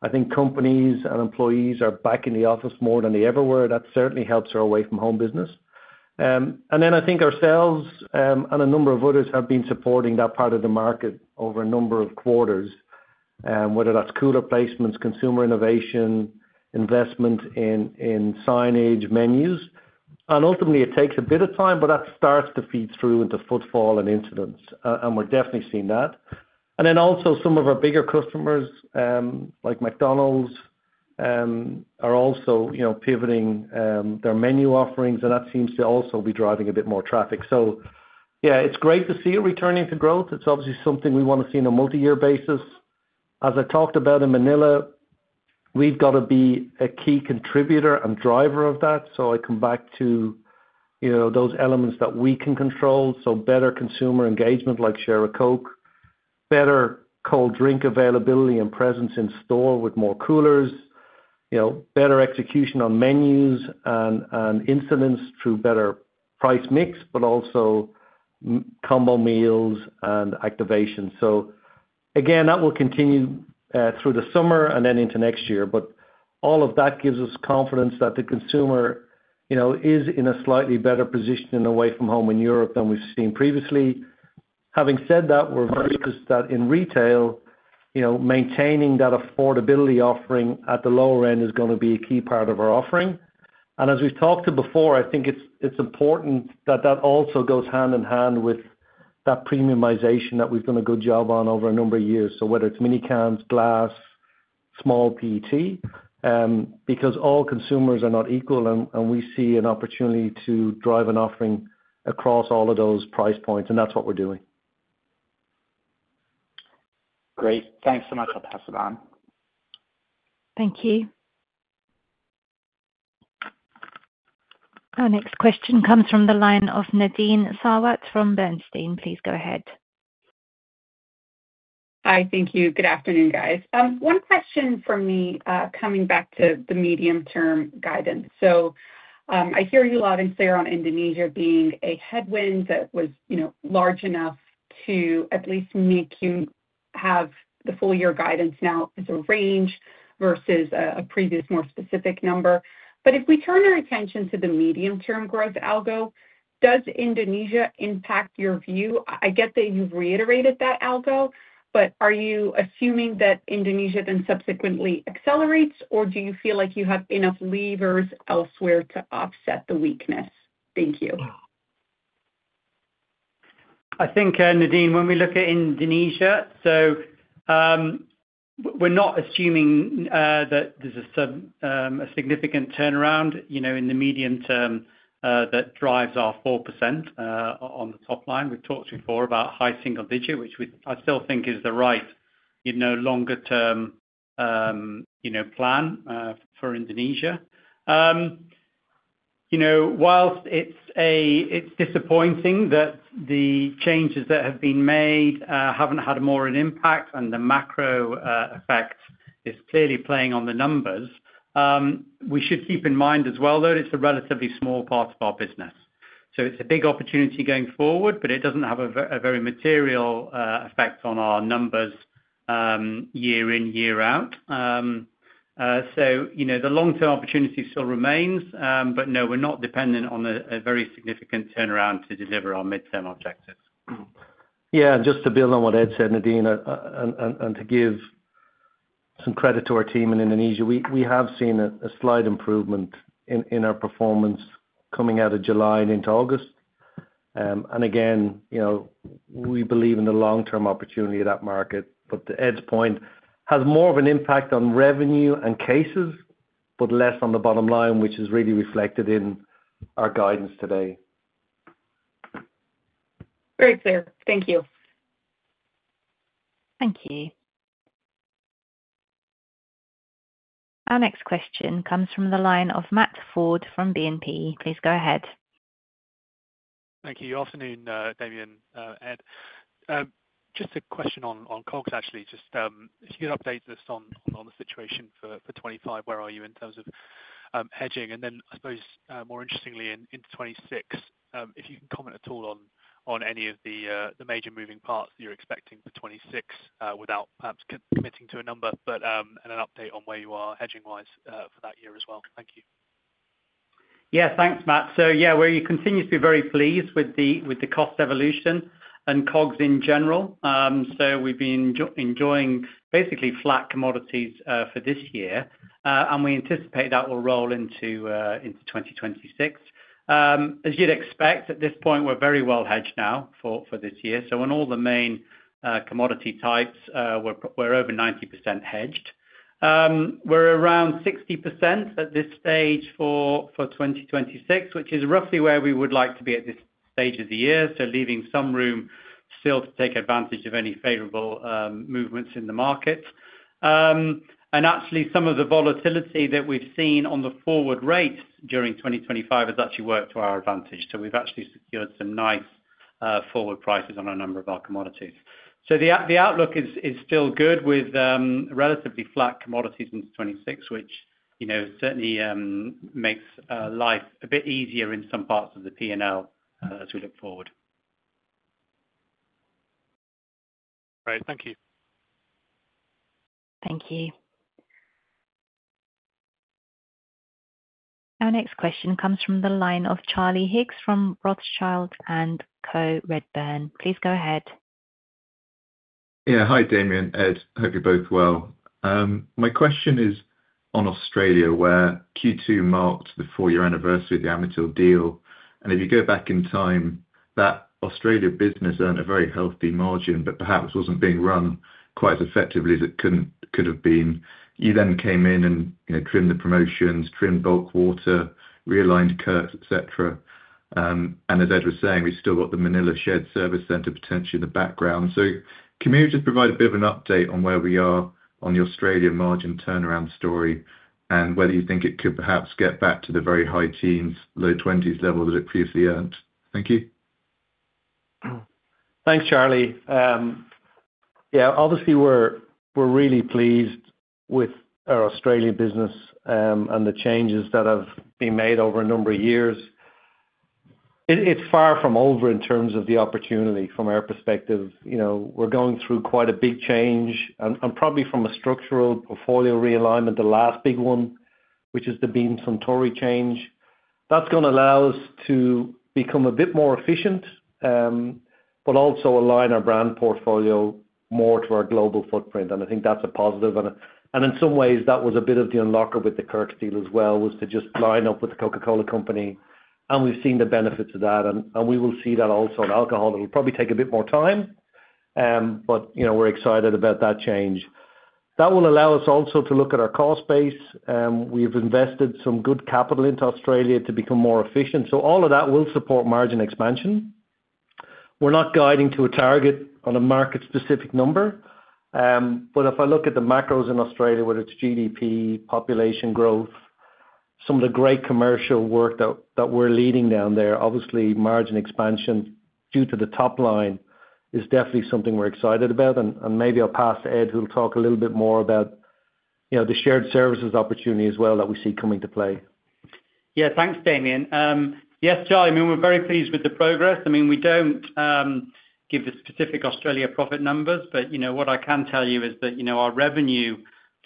S3: I think companies and employees are back in the office more than they ever were. That certainly helps our away from home business. I think ourselves and a number of others have been supporting that part of the market over a number of quarters. Whether that's cooler placements, consumer innovation, investment in signage, menus and ultimately it takes a bit of time, but that starts to feed through into footfall and incidents and we're definitely seeing that. Also, some of our bigger customers like McDonald's are pivoting their menu offerings and that seems to be driving a bit more traffic. It's great to see it returning to growth. It's obviously something we want to see on a multi-year basis. As I talked about in Manila, we've got to be a key contributor and driver of that. I come back to those elements that we can control: better consumer engagement like Share a Coke, better cold drink availability and presence in store with more coolers, better execution on menus and incidents through better price mix, combo meals, and activation. That will continue through the summer and into next year. All of that gives us confidence that the consumer is in a slightly better position away from home in Europe than we've seen previously. Having said that, we're in retail, and maintaining that affordability offering at the lower end is going to be a key part of our offering. As we've talked about before, I think it's important that that also goes hand in hand with the premiumization that we've done a good job on over a number of years. Whether it's mini cans, glass, small PET, all consumers are not equal and we see an opportunity to drive an offering across all of those price points and that's what we're doing.
S10: Great, thanks so much. I'll pass it on.
S1: Thank you. Our next question comes from the line of Nadine Sarwat from Bernstein. Please go ahead.
S11: Hi. Thank you. Good afternoon guys. One question for me. Coming back to the medium term guidance, I hear you, Sarah, on Indonesia being a headwind that was large enough to at least make you have the full year guidance now as a range versus a previous more specific number. If we turn our attention to the medium term growth algo, does Indonesia impact your view? I get that you've reiterated that algo, but are you assuming that Indonesia then subsequently accelerates or do you feel like you have enough levers elsewhere to offset the weakness? Thank you.
S4: I think, Nadine, when we look at Indonesia, we're not assuming that there's a significant turnaround in the medium term that drives our 4% on the top line. We've talked before about high single digit, which I still think is the right longer term plan for Indonesia. Whilst it's disappointing that the changes that have been made haven't had more an impact and the macro effect is clearly playing on the numbers, we should keep in mind as well that it's a relatively small part of our business. It's a big opportunity going forward, but it doesn't have a very material effect on our numbers year in, year out. The long term opportunity still remains. No, we're not dependent on a very significant turnaround to deliver our mid term objectives.
S3: Yeah. Just to build on what Ed said, Nadine, and to give some credit to our team in Indonesia, we have seen a slight improvement in our performance coming out of July and into August. Again, you know, we believe in the long term opportunity of that market. Ed's point has more of an impact on revenue and cases, but less on the bottom line, which is really reflected in our guidance today.
S11: Very clear. Thank you.
S1: Thank you. Our next question comes from the line of Matt Ford from BNP. Please go ahead.
S12: Thank you. Afternoon, Damian. Ed, just a question on COGS, actually, just if you could update us on. The situation for 2025. Where are you in terms of hedging, and then I suppose more interestingly into 2026. If you comment at all on any of the major moving parts you're expecting for 2026 without perhaps committing to a. Number, an update on where you. Are hedging wise for that year as well. Thank you.
S4: Yeah, thanks, Matt. We continue to be very pleased with the cost evolution and COGS in general. We've been enjoying basically flat commodities for this year, and we anticipate that will roll into 2026 as you'd expect at this point. We're very well hedged now for this year. On all the main commodity types, we're over 90% hedged. We're around 60% at this stage for 2026, which is roughly where we would like to be at this stage of the year, leaving some room still to take advantage of any favorable movements in the market. Actually, some of the volatility that we've seen on the forward rate during 2025 has worked to our advantage. We've secured some nice forward prices on a number of our commodities. The outlook is still good with relatively flat commodities in 2026, which certainly makes life a bit easier in some parts of the P&L as we look forward.
S12: Great, thank you.
S1: Thank you. Our next question comes from the line of Charlie Higgs from Rothschild and Co Redburn. Please go ahead.
S13: Yeah. Hi Damian, Ed, hope you're both well. My question is on Australia, where Q2 marked the four year anniversary of the Amatil deal. If you go back in time, that Australia business earned a very healthy margin but perhaps wasn't being run quite as effectively as it could have been. You then came in and trimmed the promotions, trimmed bulk water, realigned Kirk, et cetera. As Ed was saying, we've still got the Manila Shared Service Center potentially in the background. Can you maybe just provide a bit of an update on where we are on the Australia margin turnaround story and whether you think it could perhaps get back to the very high teens, low 20s level that it previously earned. Thank you.
S3: Thanks, Charlie. Yeah, obviously we're really pleased with our Australia business and the changes that have been made over a number of years. It's far from over in terms of the opportunity from our perspective. We're going through quite a big change and probably from a structural portfolio realignment, the last big one, which is the Beam Suntory change that's going to allow us to become a bit more efficient but also align our brand portfolio more to our global footprint. I think that's a positive. In some ways that was a bit of the unlocker with the Kirk's deal as well, to just line up with The Coca-Cola Company and we've seen the benefits of that and we will see that also in alcohol. It will probably take a bit more time but we're excited about that change. That will allow us also to look at our cost base. We've invested some good capital into Australia to become more efficient. All of that will support margin expansion. We're not guiding to a target on a market specific number, but if I look at the macros in Australia with its GDP, population growth, some of the great commercial work that we're leading down there, margin expansion due to the top line is definitely something we're excited about. Maybe I'll pass to Ed who'll talk a little bit more about the shared services opportunity as well that we see coming to play.
S4: Yeah, thanks, Damian. Yes, Charlie. I mean we're very pleased with the progress. We don't give the specific Australia profit numbers, but what I can tell you is that our revenue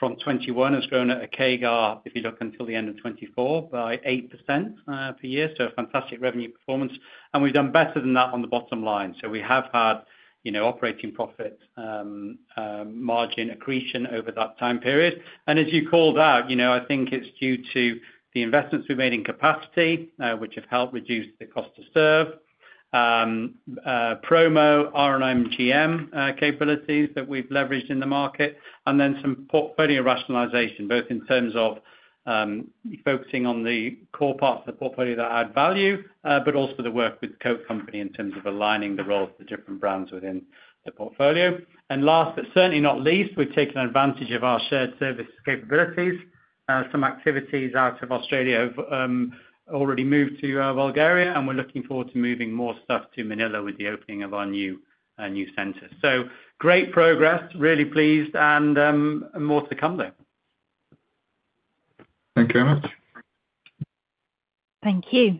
S4: from 2021 has grown at a CAGR if you look until the end of 2024 by 8% per year. Fantastic revenue performance and we've done better than that on the bottom line. We have had operating profit margin accretion over that time period and as you called out, I think it's due to the investments we've made in capacity which have helped reduce the cost to serve, promo RMGM capabilities that we've leveraged in the market, and then some portfolio rationalization both in terms of focusing on the core part of the portfolio that add value, but also the work with Coca-Cola in terms of aligning the role of the different brands within the portfolio. Last, but certainly not least, we've taken advantage of our shared service capabilities. Some activities out of Australia have already moved to Bulgaria and we're looking forward to moving more stuff to Manila with the opening of our new centre. Great progress. Really pleased and more to come though.
S13: Thank you very much.
S1: Thank you.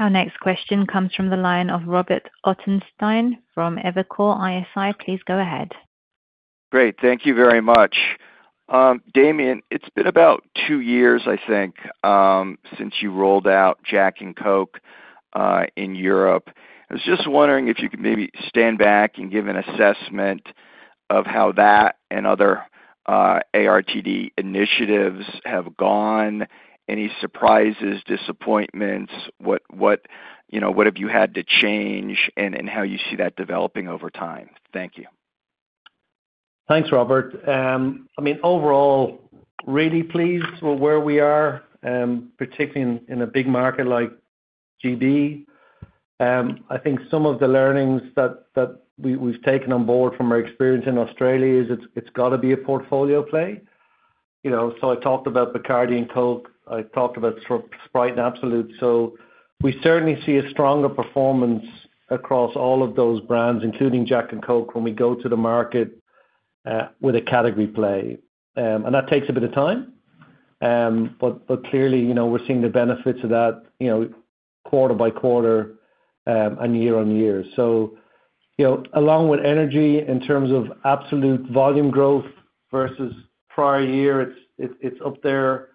S1: Our next question comes from the line of Robert Ottenstein from EvercoreISI. Please go ahead.
S14: Great. Thank you very much. Damian, it's been about two years, I think, since you rolled out Jack and Coke in Europe. I was just wondering if you could maybe stand back and give an assessment of how that and other ARTD initiatives have gone. Any surprises, disappointments, what have you had to change and how you see that developing over time. Thank you.
S3: Thanks, Robert. I mean, overall, really pleased with where we are, particularly in a big market like GD. I think some of the learnings that we've taken on board from our experience in Australia is it's got to be a portfolio play, you know. I talked about Bacardi and Coke, I talked about Sprite and Absolut. We certainly see a stronger performance across all of those brands, including Jack and Coke, when we go to the market with a category play. That takes a bit of time, but clearly, we're seeing the benefits of that quarter by quarter and year on year. Along with energy in terms of absolute volume growth versus prior year, it's up there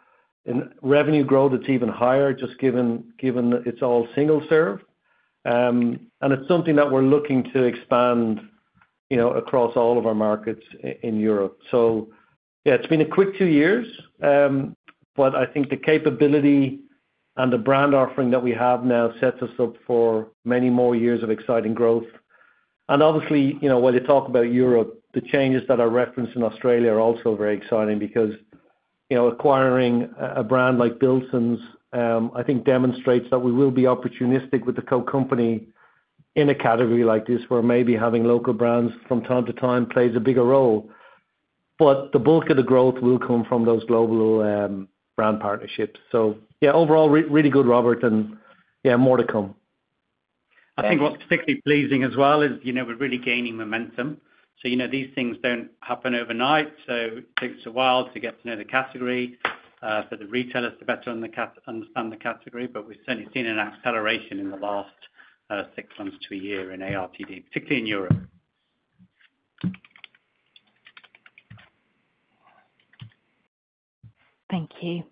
S3: in revenue growth, it's even higher just given it's all single serve. It's something that we're looking to expand across all of our markets in Europe. It's been a quick two years, but I think the capability and the brand offering that we have now sets us up for many more years of exciting growth. Obviously, when you talk about Europe, the changes that are referenced in Australia are also very exciting because acquiring a brand like Billson's I think demonstrates that we will be opportunistic with The Coke Company in a category like this where maybe having local brands from time to time plays a bigger role, but the bulk of the growth will come from those global brand partnerships. Overall, really good, Robert. More to come.
S4: I think what's particularly pleasing as well is we're really gaining momentum. These things don't happen overnight. It takes a while to get to know the category, for the retailers to better understand the category. We've certainly seen an acceleration in the last six months to a year in ARTD, particularly in Europe.
S1: Thank you.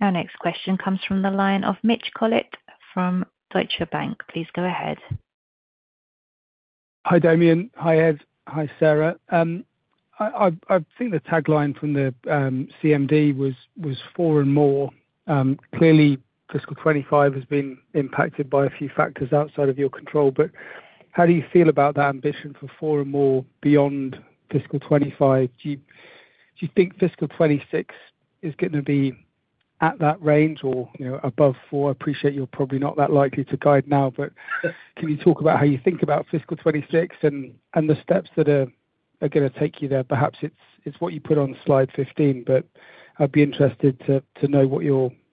S1: Our next question comes from the line of Mitch Collett from Deutsche Bank. Please go ahead.
S15: Hi, Damien. Hi, Ed. Hi, Sarah. I think the tagline from the CMD. Was four or more. Clearly, fiscal 2025 has been impacted by. A few factors outside of your control. How do you feel about that ambition for 4% or more beyond fiscal 2025? Do you think fiscal 2026 is going to be at that range or above 4% I appreciate you're probably not that likely to guide now, but can you talk. About how you think about fiscal 2026. The steps that are going to take you there? Perhaps it's what you put on slide 15, but I'd be interested to know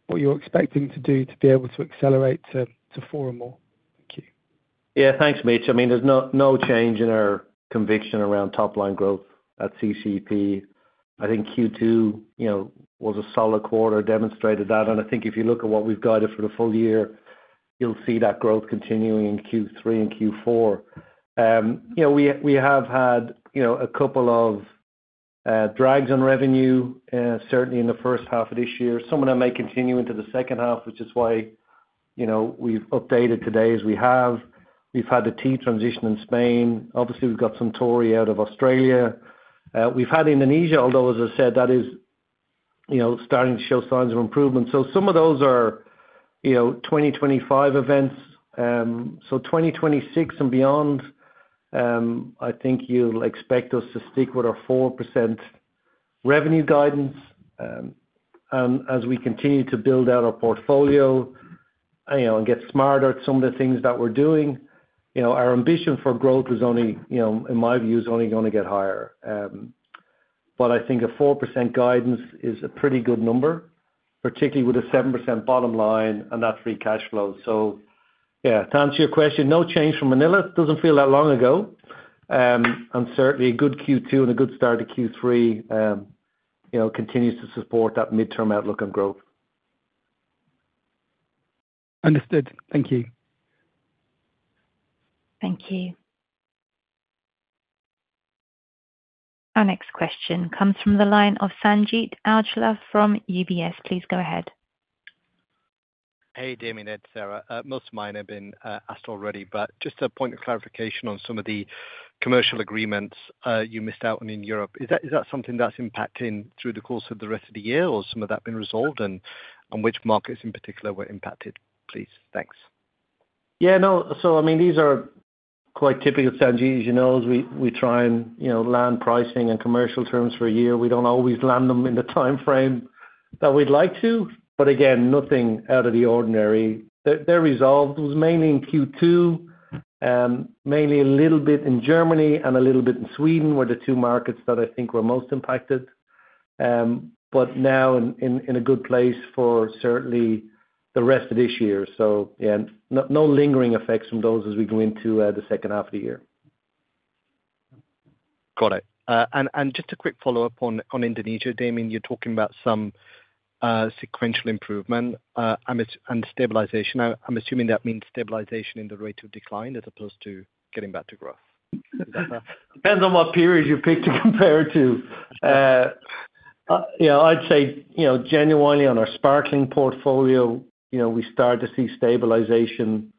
S15: what you're expecting to do to be able to accelerate to 4% or more.
S3: Yeah, thanks, Mitch. I mean, there's no change in our conviction around top line growth at CCEP. I think Q2 was a solid quarter, demonstrated that. I think if you look at what we've guided for the full year, you'll see that growth continuing in Q3 and Q4. We have had a couple of drags on revenue certainly in the first half of this year. Some of them may continue into the second half, which is why we've updated today as we have. We've had the tea transition in Spain, obviously. We've got Suntory out of Australia. We've had Indonesia, although as I said, that is starting to show signs of improvement. Some of those are 2025 events. For 2026 and beyond, I think you'll expect us to stick with our 4% revenue guidance. As we continue to build out our portfolio and get smarter at some of the things that we're doing, our ambition for growth is only, in my view, only going to get higher. I think a 4% guidance is a pretty good number, particularly with a 7% bottom line and that free cash flow. To answer your question, no change from Manila, doesn't feel that long ago and certainly a good Q2 and a good start to Q3 continues to support that midterm outlook on growth.
S15: Understood, thank you.
S1: Thank you. Our next question comes from the line of Sanjit Aujla from UBS. Please go ahead.
S16: Hey, Damian, Ed, Sarah. Most of mine have been asked already, but just a point of clarification on some of the commercial agreements missed out on in Europe. Is that something that's impacting through the course of the rest of the year or some of that being resolved and which markets in particular were impacted? Please. Thanks.
S3: Yeah, no, so I mean, these are quite typical, Sanjit. As you know, we try and, you know, land pricing and commercial terms for a year. We don't always land them in the time frame that we'd like to. Again, nothing out of the ordinary. They were resolved mainly in Q2, mainly a little bit in Germany and a little bit in Sweden were the two markets that I think were most impacted, but now in a good place for certainly the rest of this year. No lingering effects from those as we go into the second half of the year.
S16: Got it. Just a quick follow up on Indonesia. Damian, you're talking about some sequential improvement and stabilization. I'm assuming that means stabilization in the rate of decline as opposed to getting back to growth.
S3: Depends on what period you pick to compare to. I'd say, you know, genuinely on our sparkling portfolio, we start to see stabilization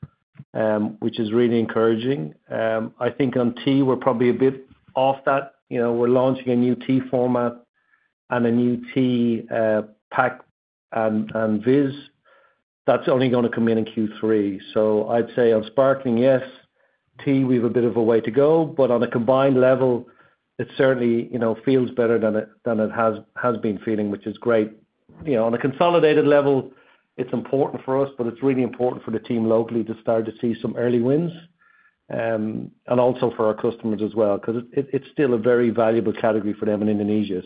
S3: which is really encouraging. I think on tea we're probably a bit off that, you know, we're launching a new tea format and a new tea pack and that's only going to come in in Q3. I'd say on sparkling, yes, we have a bit of a way to go but on a combined level it certainly feels better than it has been feeling which is great. On a consolidated level it's important for us but it's really important for the team locally to start to see some early wins and also for our customers as well because it's still a very valuable category for them in Indonesia.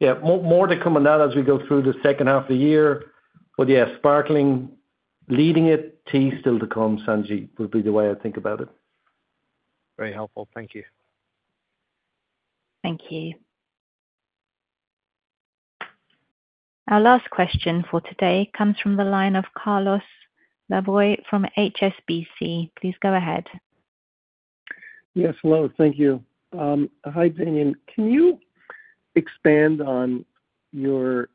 S3: More to come on that as we go through the second half of the year. Yes, sparkling leading it, tea still to come. Sanjiet would be the way I think about it.
S16: Very helpful. Thank you.
S1: Thank you. Our last question for today comes from the line of Carlos Laboy from HSBC. Please go ahead.
S17: Yes, hello. Thank you. Hi, Daniel. Can you expand on your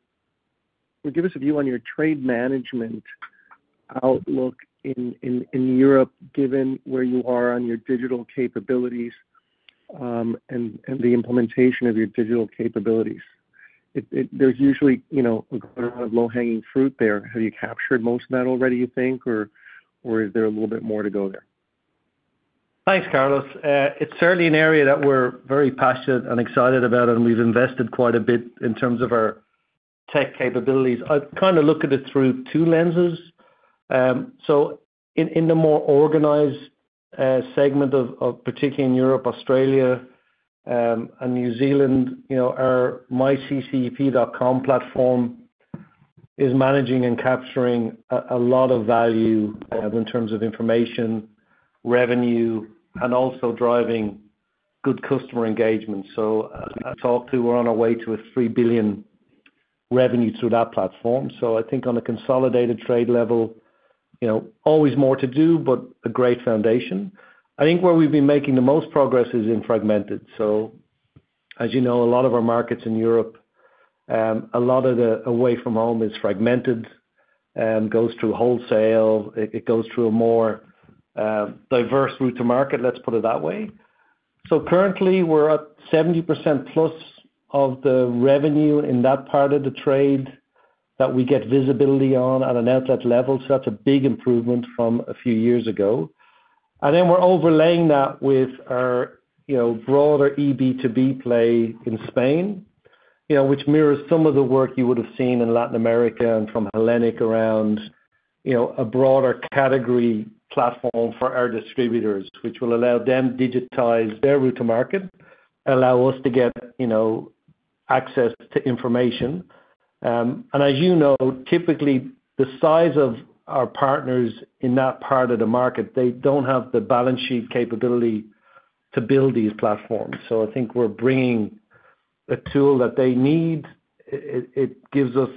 S17: or give us a view on your trade management outlook in Europe given where you are on your digital capabilities and the implementation of your digital capabilities? There's usually low hanging fruit there. Have you captured most of that already, you think, or is there a little bit more to go there?
S3: Thanks, Carlos. It's certainly an area that we're very passionate and excited about, and we've invested quite a bit in terms of our tech capabilities. I kind of look at it through two lenses. In the more organized segment, particularly in Europe, Australia, and New Zealand, our myCCEP.com platform is managing and capturing a lot of value in terms of information, revenue, and also driving good customer engagement. We're on our way to a $3 billion revenue through that platform. On a consolidated trade level, always more to do, but a great foundation. I think where we've been making the most progress is in fragmented. As you know, a lot of our markets in Europe, a lot of the away from home is fragmented, goes through wholesale, it goes through a more diverse route-to-market model, let's put it that way. Currently, we're at 70%+ of the revenue in that part of the trade that we get visibility on at an outlet level. That's a big improvement from a few years ago. We're overlaying that with our broader eB2B play in Spain, which mirrors some of the work you would have seen in Latin America and from Hellenic around a broader category platform for our distributors, which will allow them to digitize their route to market and allow us to get access to information. As you know, typically the size of our partners in that part of the market, they don't have the balance sheet capability to build these platforms. I think we're bringing a tool that they need. It gives us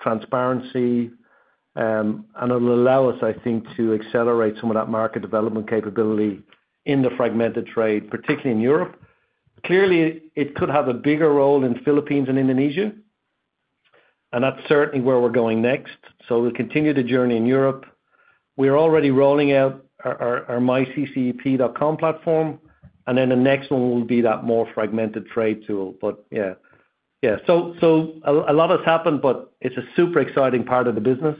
S3: transparency, and it will allow us to accelerate some of that market development capability in the fragmented trade, particularly in Europe. Clearly, it could have a bigger role in the Philippines and Indonesia, and that's certainly where we're going next. We'll continue the journey in Europe. We are already rolling out our myCCEP.com platform, and the next one will be that more fragmented trade tool. A lot has happened, but it's a super exciting part of the business.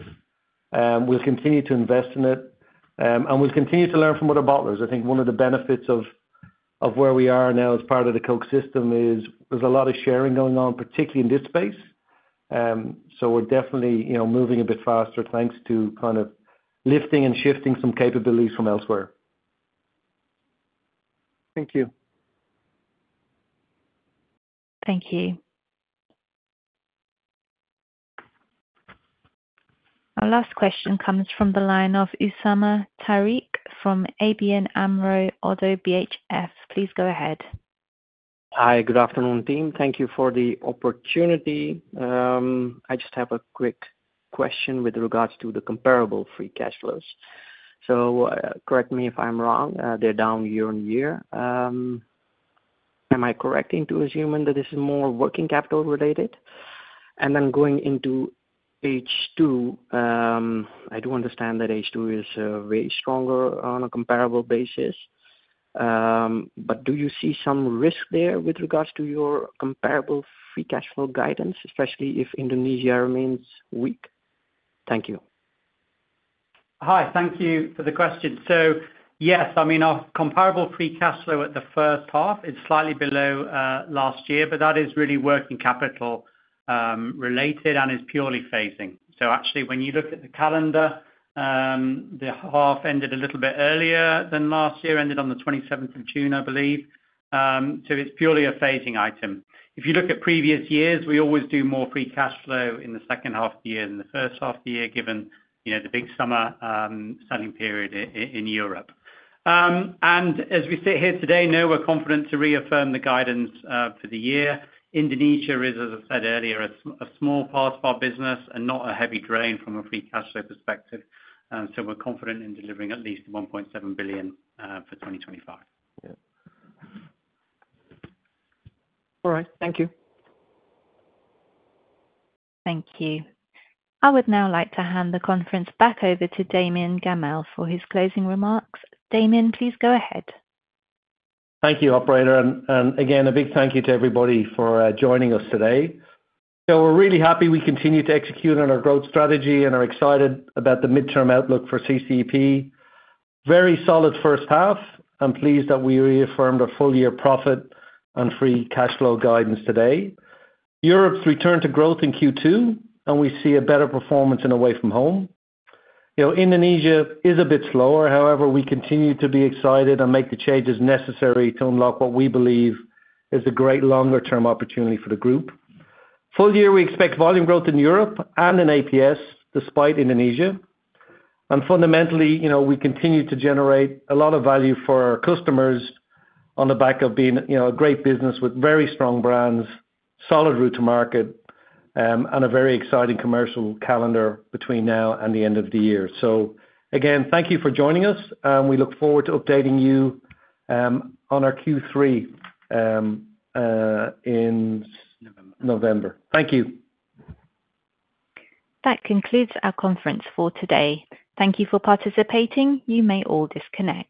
S3: We'll continue to invest in it, and we'll continue to learn from other bottlers. One of the benefits of where we are now as part of the Coke system is there's a lot of sharing going on, particularly in this space. We're definitely moving a bit faster thanks to kind of lifting and shifting some capabilities from elsewhere.
S17: Thank you.
S1: Thank you. Our last question comes from the line of Usama Tariq from ABN AMRO - ODDO BHF. Please go ahead.
S18: Hi, good afternoon team. Thank you for the opportunity. I just have a quick question with regards to the comparable free cash flows. Correct me if I'm wrong, they're down year on year. Am I correct into assuming that this is more working capital related and then going into H2? I do understand that H2 is way stronger on a comparable basis, but do you see some risk there with regards to your comparable free cash flow guidance, especially if Indonesia remains weak. Thank you.
S4: Hi, thank you for the question. Yes, I mean our comparable free cash flow at the first half is slightly below last year, but that is really working capital related and is purely phasing. Actually, when you look at the calendar, the half ended a little bit earlier than last year, ended on the 27th of June, I believe. It is purely a phasing item. If you look at previous years, we always do more free cash flow in the second half of the year than the first half of the year, given the big summer selling period in Europe. As we sit here today, no, we're confident to reaffirm the guidance for the year. Indonesia is, as I said earlier, a small part of our business and not a heavy drain from a free cash flow perspective. We're confident in delivering at least 1.7 billion for 2025.
S18: All right, thank you.
S1: Thank you. I would now like to hand the conference back over to Damian Gammell for his closing remarks. Damian, please go ahead.
S3: Thank you, operator. Again, a big thank you to everybody for joining us today. We're really happy. We continue to execute on our growth strategy and are excited about the midterm outlook for CCEP. Very solid first half. I'm pleased that we reaffirmed our full year profit and free cash flow guidance today. Europe's return to growth in Q2, and we see a better performance in away from home. Indonesia is a bit slower. However, we continue to be excited and make the changes necessary to unlock what we believe is a great longer term opportunity for the group full year. We expect volume growth in Europe and in APS despite Indonesia, and fundamentally we continue to generate a lot of value for our customers on the back of being a great business with very strong brands, solid route-to-market, and a very exciting commercial calendar between now and the end of the year. Again, thank you for joining us. We look forward to updating you on our Q3 in November. Thank you.
S1: That concludes our conference for today. Thank you for participating. You may all disconnect.